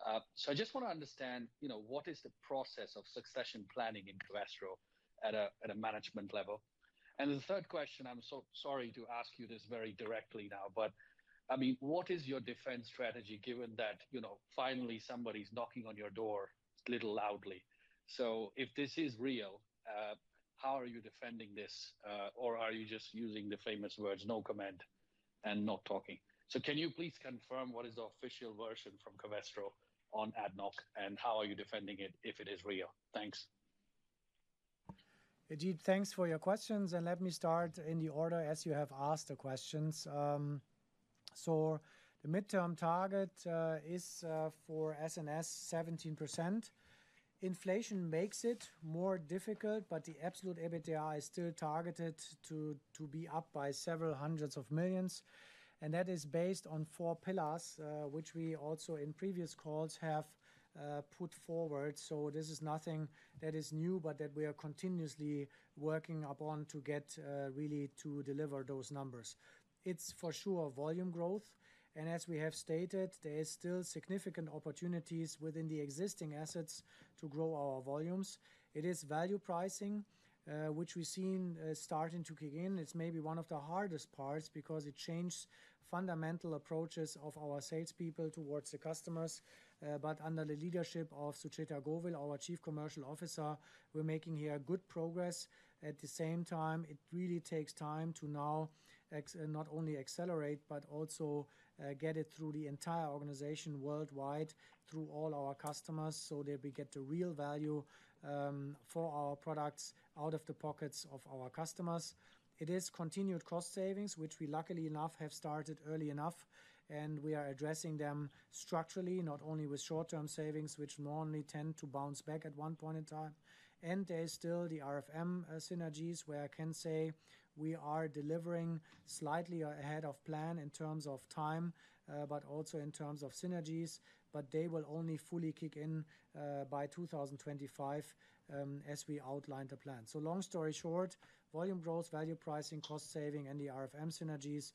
H: I just wanna understand, you know, what is the process of succession planning in Covestro at a management level? And the third question, I'm so sorry to ask you this very directly now, but, I mean, what is your defense strategy, given that, you know, finally somebody's knocking on your door a little loudly? If this is real, how are you defending this? Or are you just using the famous words, "No comment," and not talking? Can you please confirm what is the official version from Covestro on ADNOC, and how are you defending it if it is real? Thanks.
B: Jaideep, thanks for your questions, and let me start in the order as you have asked the questions. The midterm target is for S&S, 17%. Inflation makes it more difficult, but the absolute EBITDA is still targeted to be up by EUR several hundreds of millions, that is based on 4 pillars, which we also in previous calls have put forward. This is nothing that is new, but that we are continuously working upon to get really to deliver those numbers. It's for sure volume growth, as we have stated, there is still significant opportunities within the existing assets to grow our volumes. It is value pricing, which we've seen starting to kick in. It's maybe one of the hardest parts because it changed fundamental approaches of our salespeople towards the customers. But under the leadership of Sucheta Govil, our Chief Commercial Officer, we're making here good progress. At the same time, it really takes time to now not only accelerate, but also get it through the entire organization worldwide, through all our customers, so that we get the real value for our products out of the pockets of our customers. It is continued cost savings, which we luckily enough have started early enough, and we are addressing them structurally, not only with short-term savings, which normally tend to bounce back at one point in time. There is still the RFM synergies, where I can say we are delivering slightly ahead of plan in terms of time, but also in terms of synergies, but they will only fully kick in by 2025 as we outlined the plan. Long story short, volume growth, value pricing, cost saving, and the RFM synergies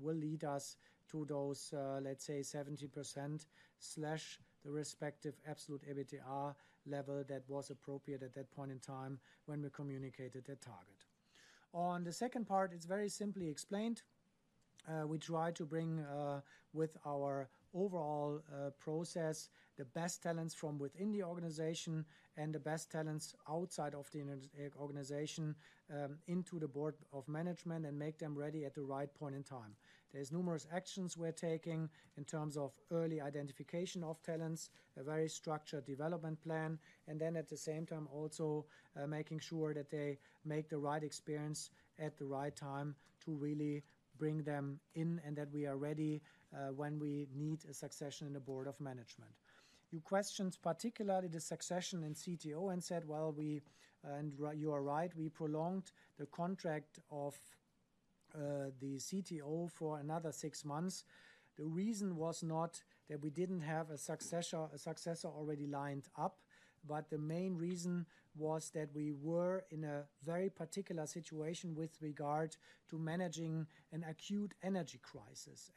B: will lead us to those, let's say, 70% slash the respective absolute EBITDA level that was appropriate at that point in time when we communicated that target. On the second part, it's very simply explained. We try to bring with our overall process, the best talents from within the organization and the best talents outside of the organization into the board of management and make them ready at the right point in time. There's numerous actions we're taking in terms of early identification of talents, a very structured development plan, and then at the same time, also, making sure that they make the right experience at the right time to really bring them in, and that we are ready, when we need a succession in the board of management. You questioned particularly the succession in CTO and said, well, we. You are right, we prolonged the contract of- the CTO for another six months. The reason was not that we didn't have a successor, a successor already lined up, but the main reason was that we were in a very particular situation with regard to managing an acute energy crisis.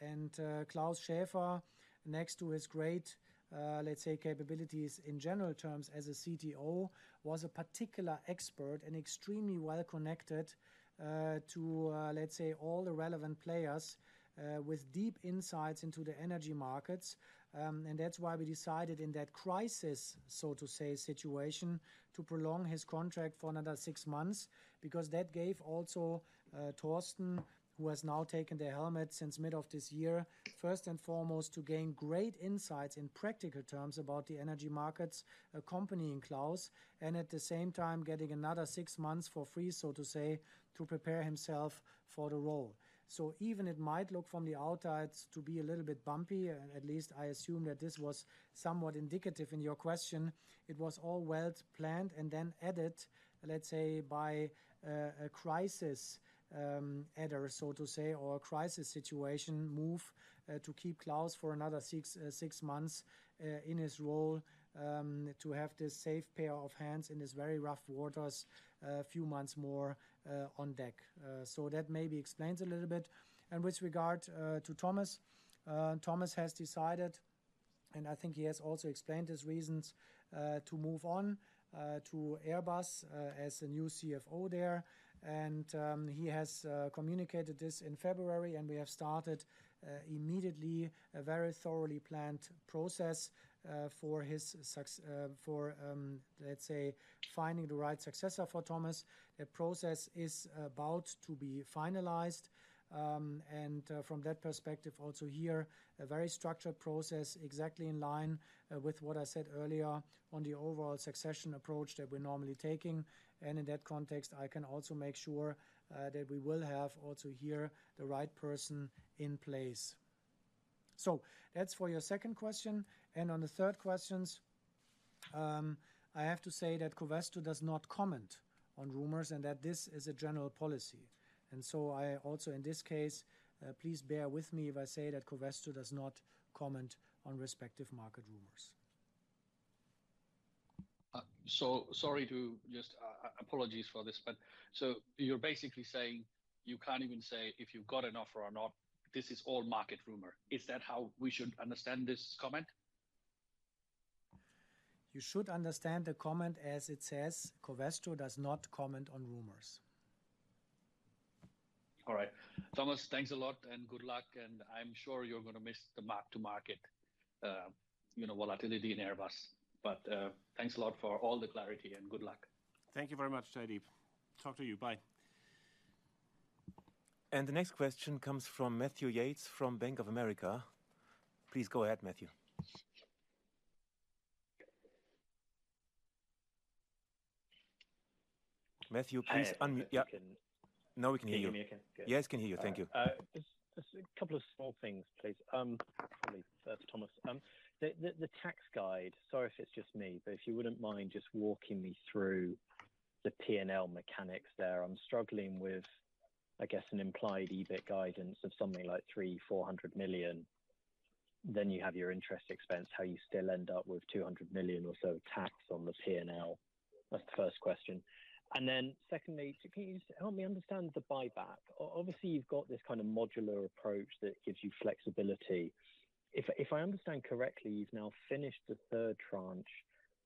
B: Klaus Schäfer, next to his great, let's say, capabilities in general terms as a CTO, was a particular expert and extremely well connected, to, let's say, all the relevant players, with deep insights into the energy markets. That's why we decided, in that crisis, so to say, situation, to prolong his contract for another 6 months, because that gave also Thorsten, who has now taken the helmet since middle of this year, first and foremost, to gain great insights in practical terms about the energy markets accompanying Klaus, and at the same time getting another 6 months for free, so to say, to prepare himself for the role. Even it might look from the outside to be a little bit bumpy, at least I assume that this was somewhat indicative in your question. It was all well planned and then added, let's say, by a crisis adder, so to say, or a crisis situation move, to keep Klaus for another six, six months in his role, to have this safe pair of hands in this very rough waters, a few months more on deck. So that maybe explains a little bit. With regard to Thomas, Thomas has decided, and I think he has also explained his reasons, to move on to Airbus as a new CFO there. He has communicated this in February, and we have started immediately a very thoroughly planned process for, let's say, finding the right successor for Thomas. The process is about to be finalized, and from that perspective, also here, a very structured process, exactly in line with what I said earlier on the overall succession approach that we're normally taking. In that context, I can also make sure that we will have also here, the right person in place. That's for your second question. On the third questions, I have to say that Covestro does not comment on rumors and that this is a general policy. I also, in this case, please bear with me if I say that Covestro does not comment on respective market rumors.
H: Sorry to apologies for this, but so you're basically saying you can't even say if you've got an offer or not, this is all market rumor. Is that how we should understand this comment?
B: You should understand the comment as it says: Covestro does not comment on rumors.
H: All right. Thomas, thanks a lot and good luck, and I'm sure you're gonna miss the mark-to-market, you know, volatility in Airbus. Thanks a lot for all the clarity, and good luck.
C: Thank you very much, Jaideep. Talk to you. Bye.
D: The next question comes from Matthew Yates, from Bank of America. Please go ahead, Matthew. Matthew, please unmute.
I: Hi, I think we.
D: Now we can hear you.
I: Can you hear me again? Good.
D: Yes, can hear you. Thank you.
I: Just, just a couple of small things, please. Probably first, Thomas, the tax guide, sorry if it's just me, but if you wouldn't mind just walking me through the P&L mechanics there. I'm struggling with, I guess, an implied EBIT guidance of something like 300 million-400 million. You have your interest expense, how you still end up with 200 million or so tax on the P&L. That's the first question. Secondly, can you just help me understand the buyback? Obviously, you've got this kind of modular approach that gives you flexibility. If, if I understand correctly, you've now finished the third tranche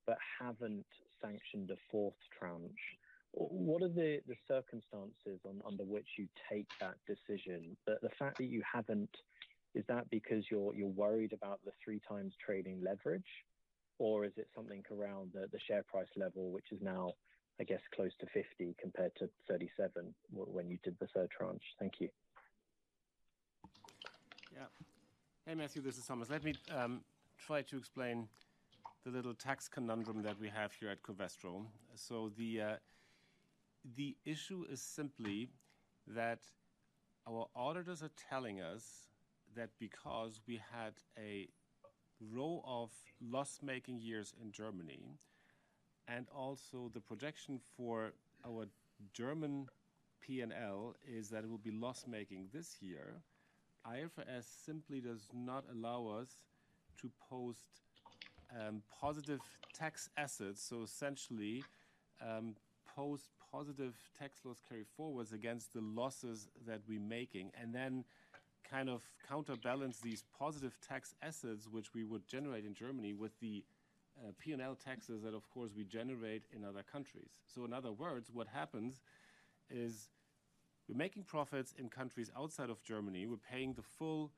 I: but haven't sanctioned a fourth tranche. What are the circumstances under which you take that decision? The fact that you haven't, is that because you're worried about the 3 times trading leverage, or is it something around the share price level, which is now, I guess, close to 50 compared to 37 when you did the third tranche? Thank you.
C: Yeah. Hey, Matthew, this is Thomas. Let me try to explain the little tax conundrum that we have here at Covestro. The issue is simply that our auditors are telling us that because we had a row of loss-making years in Germany, and also the projection for our German P&L is that it will be loss-making this year, IFRS simply does not allow us to post positive tax assets. Essentially, post positive tax loss carry-forwards against the losses that we're making, and then kind of counterbalance these positive tax assets, which we would generate in Germany, with the P&L taxes that of course, we generate in other countries. In other words, what happens is we're making profits in countries outside of Germany. We're paying the full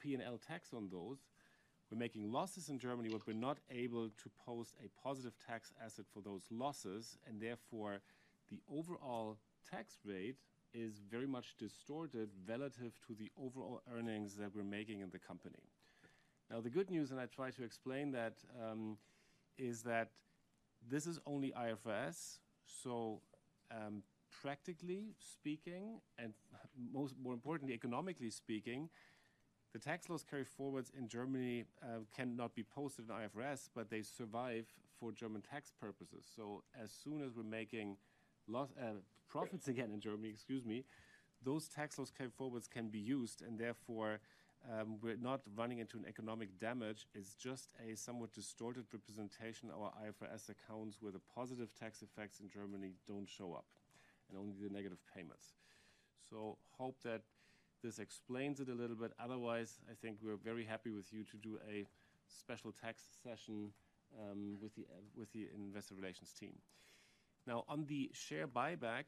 C: P&L tax on those. We're making losses in Germany, but we're not able to post a positive tax asset for those losses, and therefore, the overall tax rate is very much distorted relative to the overall earnings that we're making in the company. The good news, and I try to explain that, is that this is only IFRS. Practically speaking, and most more importantly, economically speaking, the tax loss carryforwards in Germany cannot be posted in IFRS, but they survive for German tax purposes. As soon as we're making profits again in Germany, excuse me, those tax loss carryforwards can be used and therefore, we're not running into an economic damage. It's just a somewhat distorted representation of our IFRS accounts, where the positive tax effects in Germany don't show up and only the negative payments. Hope that this explains it a little bit. Otherwise, I think we're very happy with you to do a special tax session with the investor relations team. On the share buyback,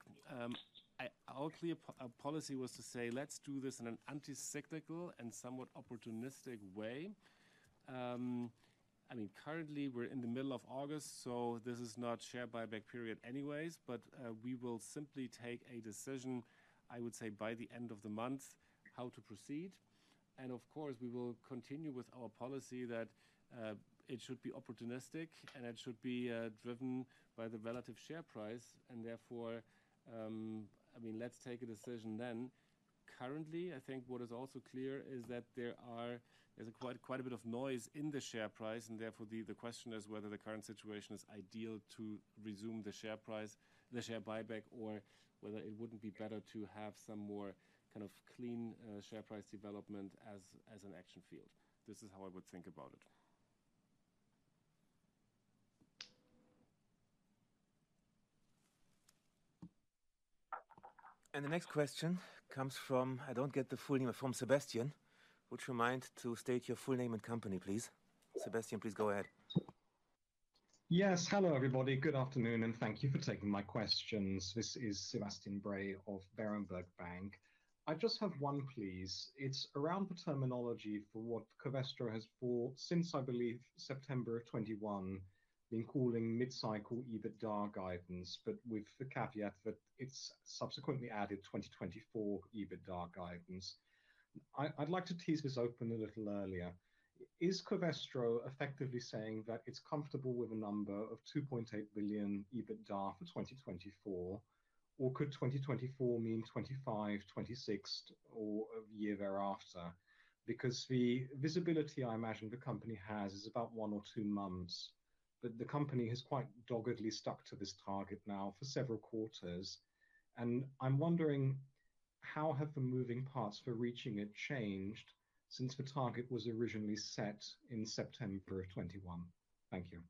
C: our clear policy was to say: Let's do this in an anti-cyclical and somewhat opportunistic way. I mean, currently, we're in the middle of August, so this is not share buyback period anyways. We will simply take a decision, I would say, by the end of the month, how to proceed. Of course, we will continue with our policy that it should be opportunistic and it should be driven by the relative share price and therefore, I mean, let's take a decision then. Currently, I think what is also clear is that there are... There's quite, quite a bit of noise in the share price, and therefore, the, the question is whether the current situation is ideal to resume the share price, the share buyback, or whether it wouldn't be better to have some more kind of clean share price development as, as an action field. This is how I would think about it.
D: The next question comes from... I don't get the full name, from Sebastian. Would you mind to state your full name and company, please? Sebastian, please go ahead.
J: Yes. Hello, everybody. Good afternoon, and thank you for taking my questions. This is Sebastian Bray of Berenberg Bank. I just have 1, please. It's around the terminology for what Covestro has, for since I believe September of 2021, been calling mid-cycle EBITDA guidance, but with the caveat that it's subsequently added 2024 EBITDA guidance. I'd like to tease this open a little earlier. Is Covestro effectively saying that it's comfortable with a number of $2.8 billion EBITDA for 2024, or could 2024 mean 2025, 2026, or a year thereafter? The visibility I imagine the company has is about 1 or 2 months, but the company has quite doggedly stuck to this target now for several quarters, and I'm wondering: How have the moving parts for reaching it changed since the target was originally set in September of 2021? Thank you.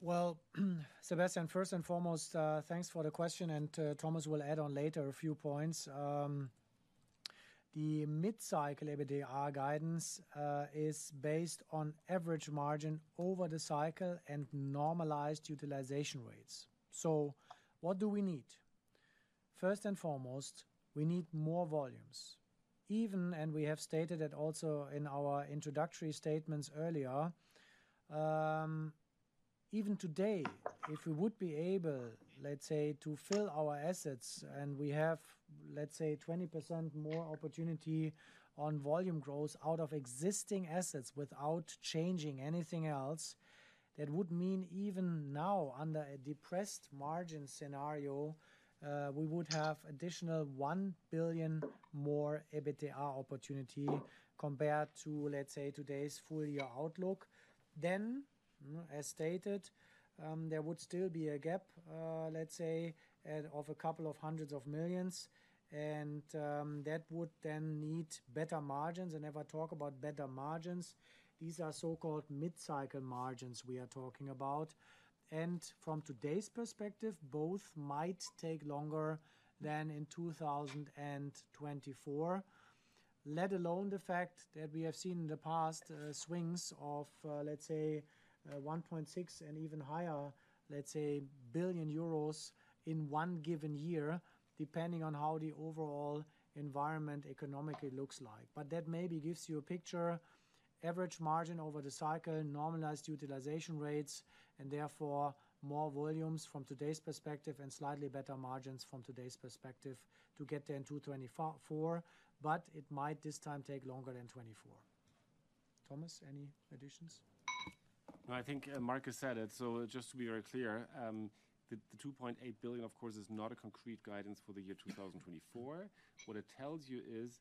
B: Well, Sebastian, first and foremost, thanks for the question, and Thomas will add on later a few points. The mid-cycle EBITDA guidance is based on average margin over the cycle and normalized utilization rates. What do we need? First and foremost, we need more volumes. Even, and we have stated it also in our introductory statements earlier, even today, if we would be able, let's say, to fill our assets and we have, let's say, 20% more opportunity on volume growth out of existing assets without changing anything else, that would mean even now, under a depressed margin scenario, we would have additional $1 billion more EBITDA opportunity compared to, let's say, today's full year outlook. As stated, there would still be a gap of a couple of hundreds of millions EUR that would need better margins. If I talk about better margins, these are so-called mid-cycle margins we are talking about, from today's perspective, both might take longer than in 2024. Let alone the fact that we have seen in the past swings of 1.6 billion and even higher in one given year, depending on how the overall environment economically looks like. That maybe gives you a picture, average margin over the cycle, normalized utilization rates, and therefore, more volumes from today's perspective and slightly better margins from today's perspective to get to in 2024, but it might this time take longer than 2024. Thomas, any additions?
C: I think Markus said it. Just to be very clear, 2.8 billion, of course, is not a concrete guidance for the year 2024. What it tells you is,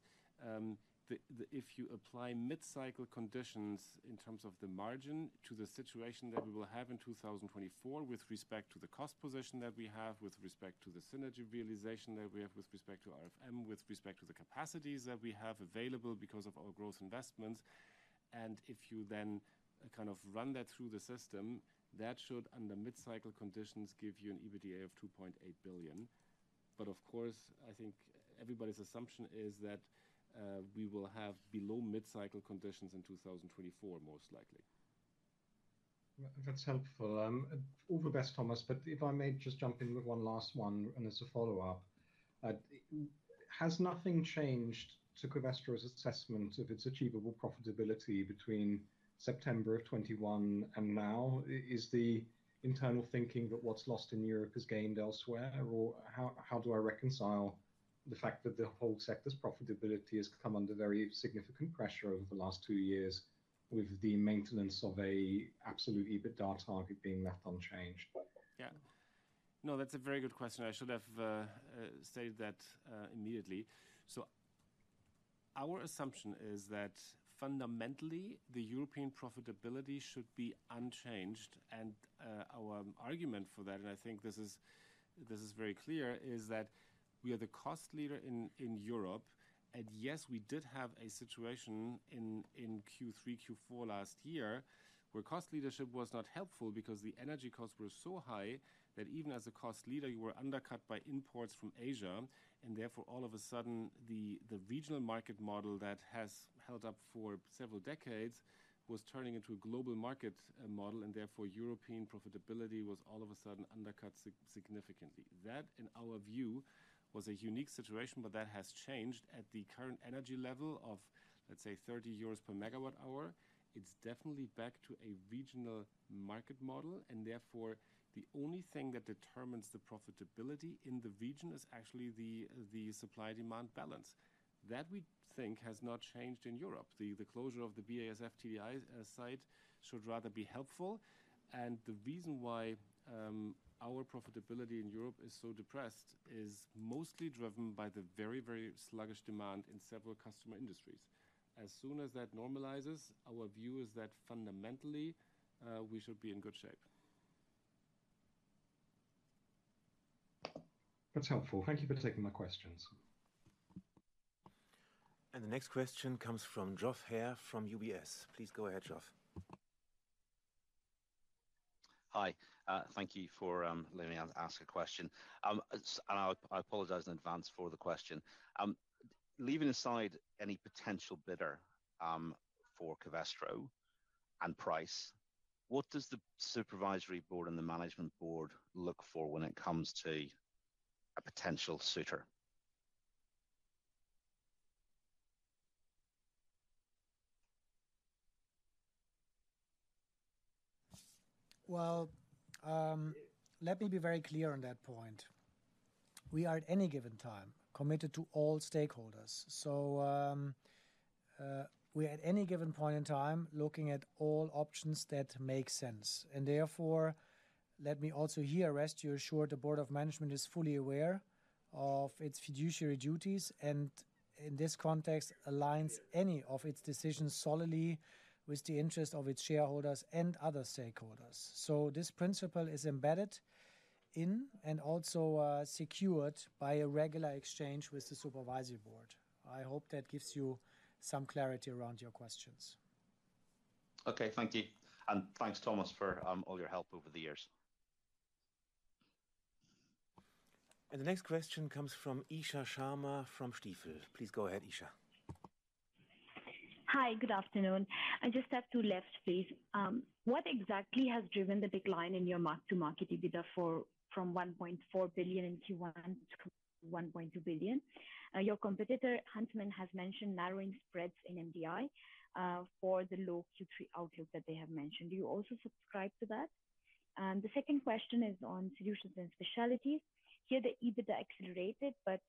C: if you apply mid-cycle conditions in terms of the margin to the situation that we will have in 2024, with respect to the cost position that we have, with respect to the synergy realization that we have, with respect to RFM, with respect to the capacities that we have available because of our growth investments, and if you then kind of run that through the system, that should, under mid-cycle conditions, give you an EBITDA of 2.8 billion. Of course, I think everybody's assumption is that we will have below mid-cycle conditions in 2024, most likely.
J: That's helpful. All the best, Thomas. If I may just jump in with one last one, and it's a follow-up. Has nothing changed to Covestro's assessment of its achievable profitability between September of 2021 and now? Is the internal thinking that what's lost in Europe is gained elsewhere, or how do I reconcile the fact that the whole sector's profitability has come under very significant pressure over the last two years with the maintenance of a absolute EBITDA target being left unchanged?
C: Yeah. No, that's a very good question. I should have stated that immediately. Our assumption is that fundamentally, the European profitability should be unchanged. Our argument for that, and I think this is, this is very clear, is that we are the cost leader in Europe. Yes, we did have a situation in Q3, Q4 last year, where cost leadership was not helpful because the energy costs were so high that even as a cost leader, you were undercut by imports from Asia. Therefore, all of a sudden, the regional market model that has held up for several decades was turning into a global market model, and therefore, European profitability was all of a sudden undercut significantly. That, in our view, was a unique situation, but that has changed. At the current energy level of, let's say, 30 euros per megawatt hour, it's definitely back to a regional market model, and therefore, the only thing that determines the profitability in the region is actually the supply-demand balance. That we think has not changed in Europe. The closure of the BASF TDI site should rather be helpful, and the reason why our profitability in Europe is so depressed is mostly driven by the very, very sluggish demand in several customer industries. As soon as that normalizes, our view is that fundamentally, we should be in good shape.
J: That's helpful. Thank you for taking my questions.
D: The next question comes from Geoff Haire from UBS. Please go ahead, Geoff.
K: Hi, thank you for letting me ask a question. I, I apologize in advance for the question. Leaving aside any potential bidder for Covestro and price, what does the supervisory board and the management board look for when it comes to a potential suitor?
B: Well, let me be very clear on that point. We are at any given time, committed to all stakeholders. We at any given point in time, looking at all options that make sense, and therefore, let me also here rest you assured the board of management is fully aware of its fiduciary duties, and in this context, aligns any of its decisions solidly with the interest of its shareholders and other stakeholders. This principle is embedded in and also secured by a regular exchange with the supervisory board. I hope that gives you some clarity around your questions.
K: Okay. Thank you, and thanks, Thomas, for all your help over the years.
D: The next question comes from Isha Sharma from Stifel. Please go ahead, Isha.
L: Hi, good afternoon. I just have two left, please. What exactly has driven the big line in your mark-to-market EBITDA for, from $1.4 billion in Q1 to $1.2 billion? Your competitor, Huntsman, has mentioned narrowing spreads in MDI for the low Q3 outlook that they have mentioned. Do you also subscribe to that? The second question is on Solutions & Specialties. Here, the EBITDA accelerated, but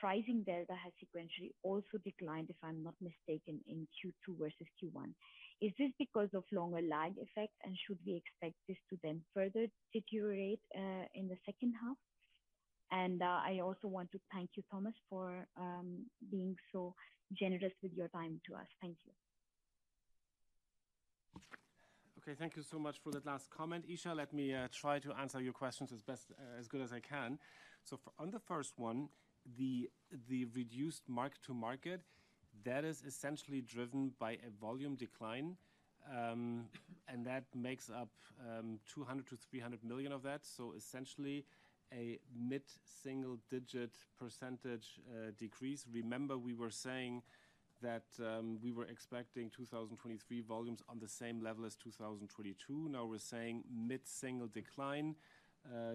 L: pricing delta has sequentially also declined, if I'm not mistaken, in Q2 versus Q1. Is this because of longer lag effect, and should we expect this to then further deteriorate in the H2? I also want to thank you, Thomas, for being so generous with your time to us. Thank you.
C: Okay. Thank you so much for that last comment, Isha. Let me try to answer your questions as best as good as I can. On the first one, the, the reduced mark-to-market, that is essentially driven by a volume decline, and that makes up 200 million-300 million of that, so essentially a mid-single-digit % decrease. Remember, we were saying that we were expecting 2023 volumes on the same level as 2022. Now we're saying mid-single decline.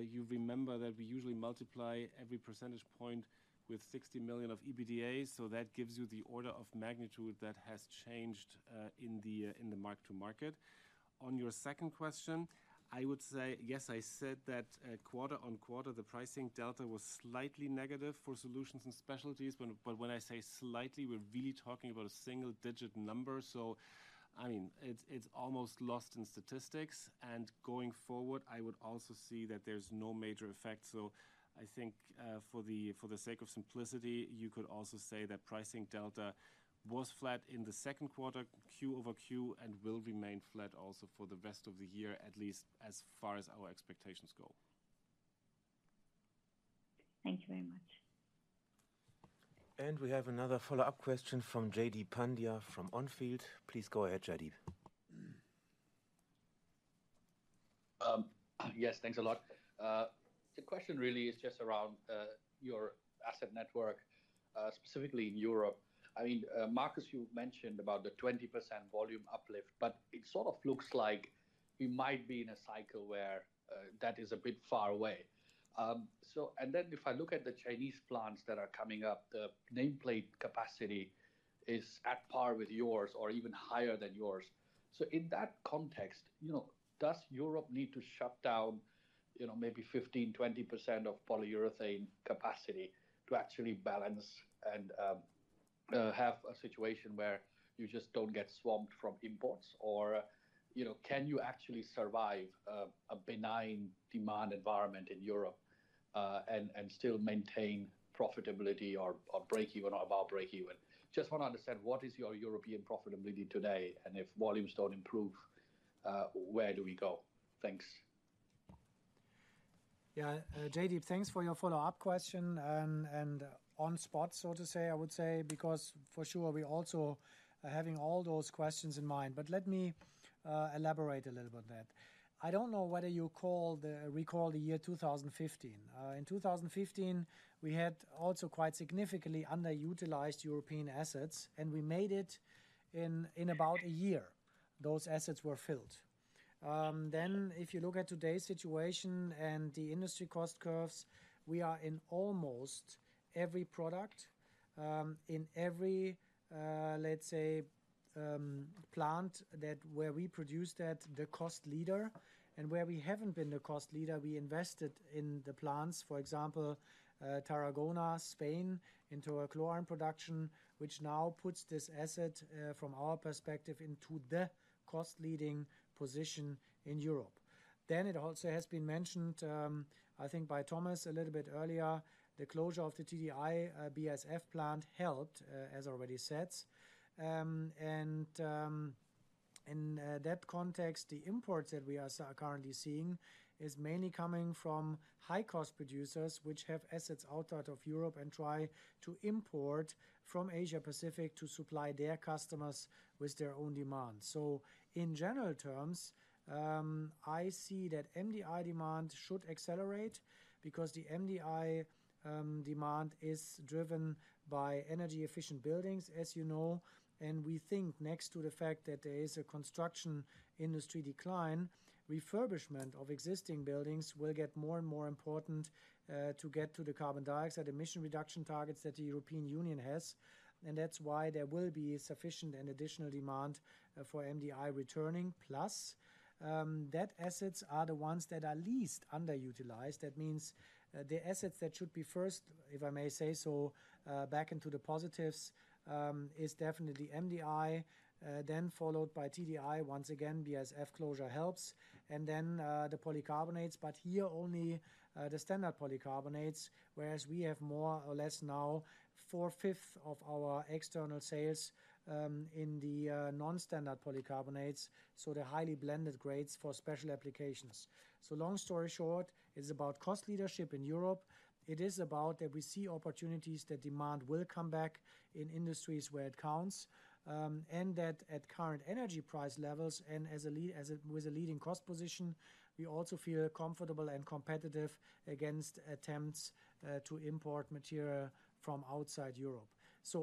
C: You remember that we usually multiply every percentage point with 60 million of EBITDA, so that gives you the order of magnitude that has changed in the mark-to-market. On your second question, I would say yes, I said that, quarter on quarter, the pricing delta was slightly negative for Solutions & Specialties. When I say slightly, we're really talking about a single-digit number. I mean, it's, it's almost lost in statistics. Going forward, I would also see that there's no major effect. I think, for the, for the sake of simplicity, you could also say that pricing delta was flat in the Q2, Q-over-Q, and will remain flat also for the rest of the year, at least as far as our expectations go.
L: Thank you very much.
D: We have another follow-up question from Jaideep Pandya from On Field. Please go ahead, Jaideep.
H: Yes, thanks a lot. The question really is just around your asset network, specifically in Europe. I mean, Markus, you've mentioned about the 20% volume uplift, but it sort of looks like we might be in a cycle where that is a bit far away. Then if I look at the Chinese plants that are coming up, the nameplate capacity is at par with yours or even higher than yours. In that context, you know, does Europe need to shut down, you know, maybe 15%-20% of polyurethane capacity to actually balance and have a situation where you just don't get swamped from imports? Can you actually survive a benign demand environment in Europe?... and, and still maintain profitability or, or breakeven or above breakeven. Just want to understand, what is your European profitability today? If volumes don't improve, where do we go? Thanks.
B: Yeah, Jaideep, thanks for your follow-up question and, and on spot, so to say, I would say, because for sure, we're also are having all those questions in mind. Let me elaborate a little about that. I don't know whether you recall the year 2015. In 2015, we had also quite significantly underutilized European assets, and we made it in, in about a year, those assets were filled. If you look at today's situation and the industry cost curves, we are in almost every product, in every, let's say, plant that where we produced at the cost leader and where we haven't been the cost leader, we invested in the plants. For example, Tarragona, Spain, into our chlorine production, which now puts this asset, from our perspective, into the cost-leading position in Europe. It also has been mentioned, I think by Thomas a little bit earlier, the closure of the TDI BASF plant helped, as already said. In that context, the imports that we are currently seeing is mainly coming from high-cost producers, which have assets outside of Europe and try to import from Asia-Pacific to supply their customers with their own demands. In general terms, I see that MDI demand should accelerate because the MDI demand is driven by energy-efficient buildings, as you know, and we think next to the fact that there is a construction industry decline, refurbishment of existing buildings will get more and more important to get to the carbon dioxide emission reduction targets that the European Union has. That's why there will be sufficient and additional demand for MDI returning. That assets are the ones that are least underutilized. That means the assets that should be first, if I may say so, back into the positives, is definitely MDI, then followed by TDI. Once again, BASF closure helps, and then the polycarbonates, but here only the standard polycarbonates, whereas we have more or less now four-fifth of our external sales in the non-standard polycarbonates, so the highly blended grades for special applications. Long story short, it's about cost leadership in Europe. It is about that we see opportunities that demand will come back in industries where it counts, and that at current energy price levels, and as it with a leading cost position, we also feel comfortable and competitive against attempts to import material from outside Europe.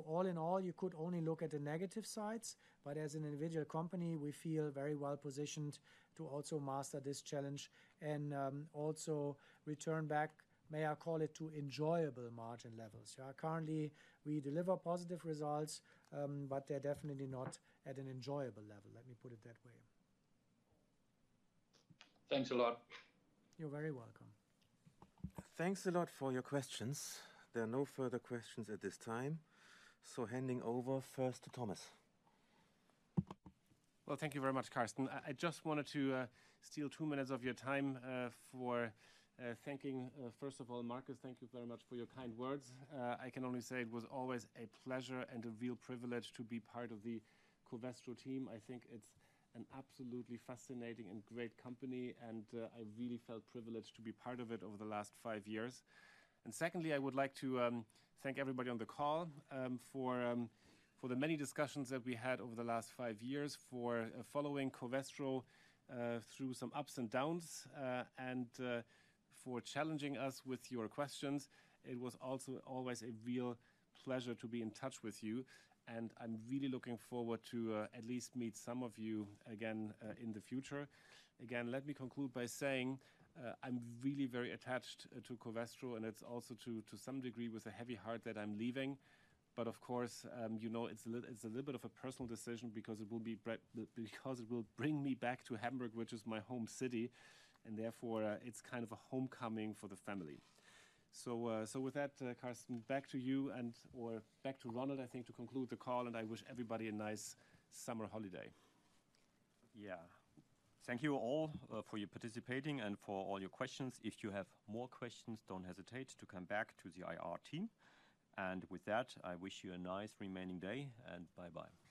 B: All in all, you could only look at the negative sides, but as an individual company, we feel very well-positioned to also master this challenge and also return back, may I call it, to enjoyable margin levels. Yeah, currently, we deliver positive results, but they're definitely not at an enjoyable level. Let me put it that way.
D: Thanks a lot.
B: You're very welcome.
D: Thanks a lot for your questions. There are no further questions at this time, so handing over first to Thomas.
C: Well, thank you very much, Carsten. I, I just wanted to steal 2 minutes of your time, for thanking, first of all, Markus, thank you very much for your kind words. I can only say it was always a pleasure and a real privilege to be part of the Covestro team. I think it's an absolutely fascinating and great company, and I really felt privileged to be part of it over the last 5 years. Secondly, I would like to thank everybody on the call, for for the many discussions that we had over the last 5 years, for following Covestro, through some ups and downs, and for challenging us with your questions. It was also always a real pleasure to be in touch with you, and I'm really looking forward to, at least meet some of you again, in the future. Again, let me conclude by saying, I'm really very attached, to Covestro, and it's also to, to some degree, with a heavy heart that I'm leaving. Of course, you know, it's a little bit of a personal decision because it will bring me back to Hamburg, which is my home city, and therefore, it's kind of a homecoming for the family. With that, Carsten, back to you and/or back to Ronald, I think, to conclude the call, and I wish everybody a nice summer holiday.
D: Yeah. Thank you all, for your participating and for all your questions. If you have more questions, don't hesitate to come back to the IR team. With that, I wish you a nice remaining day, and bye-bye.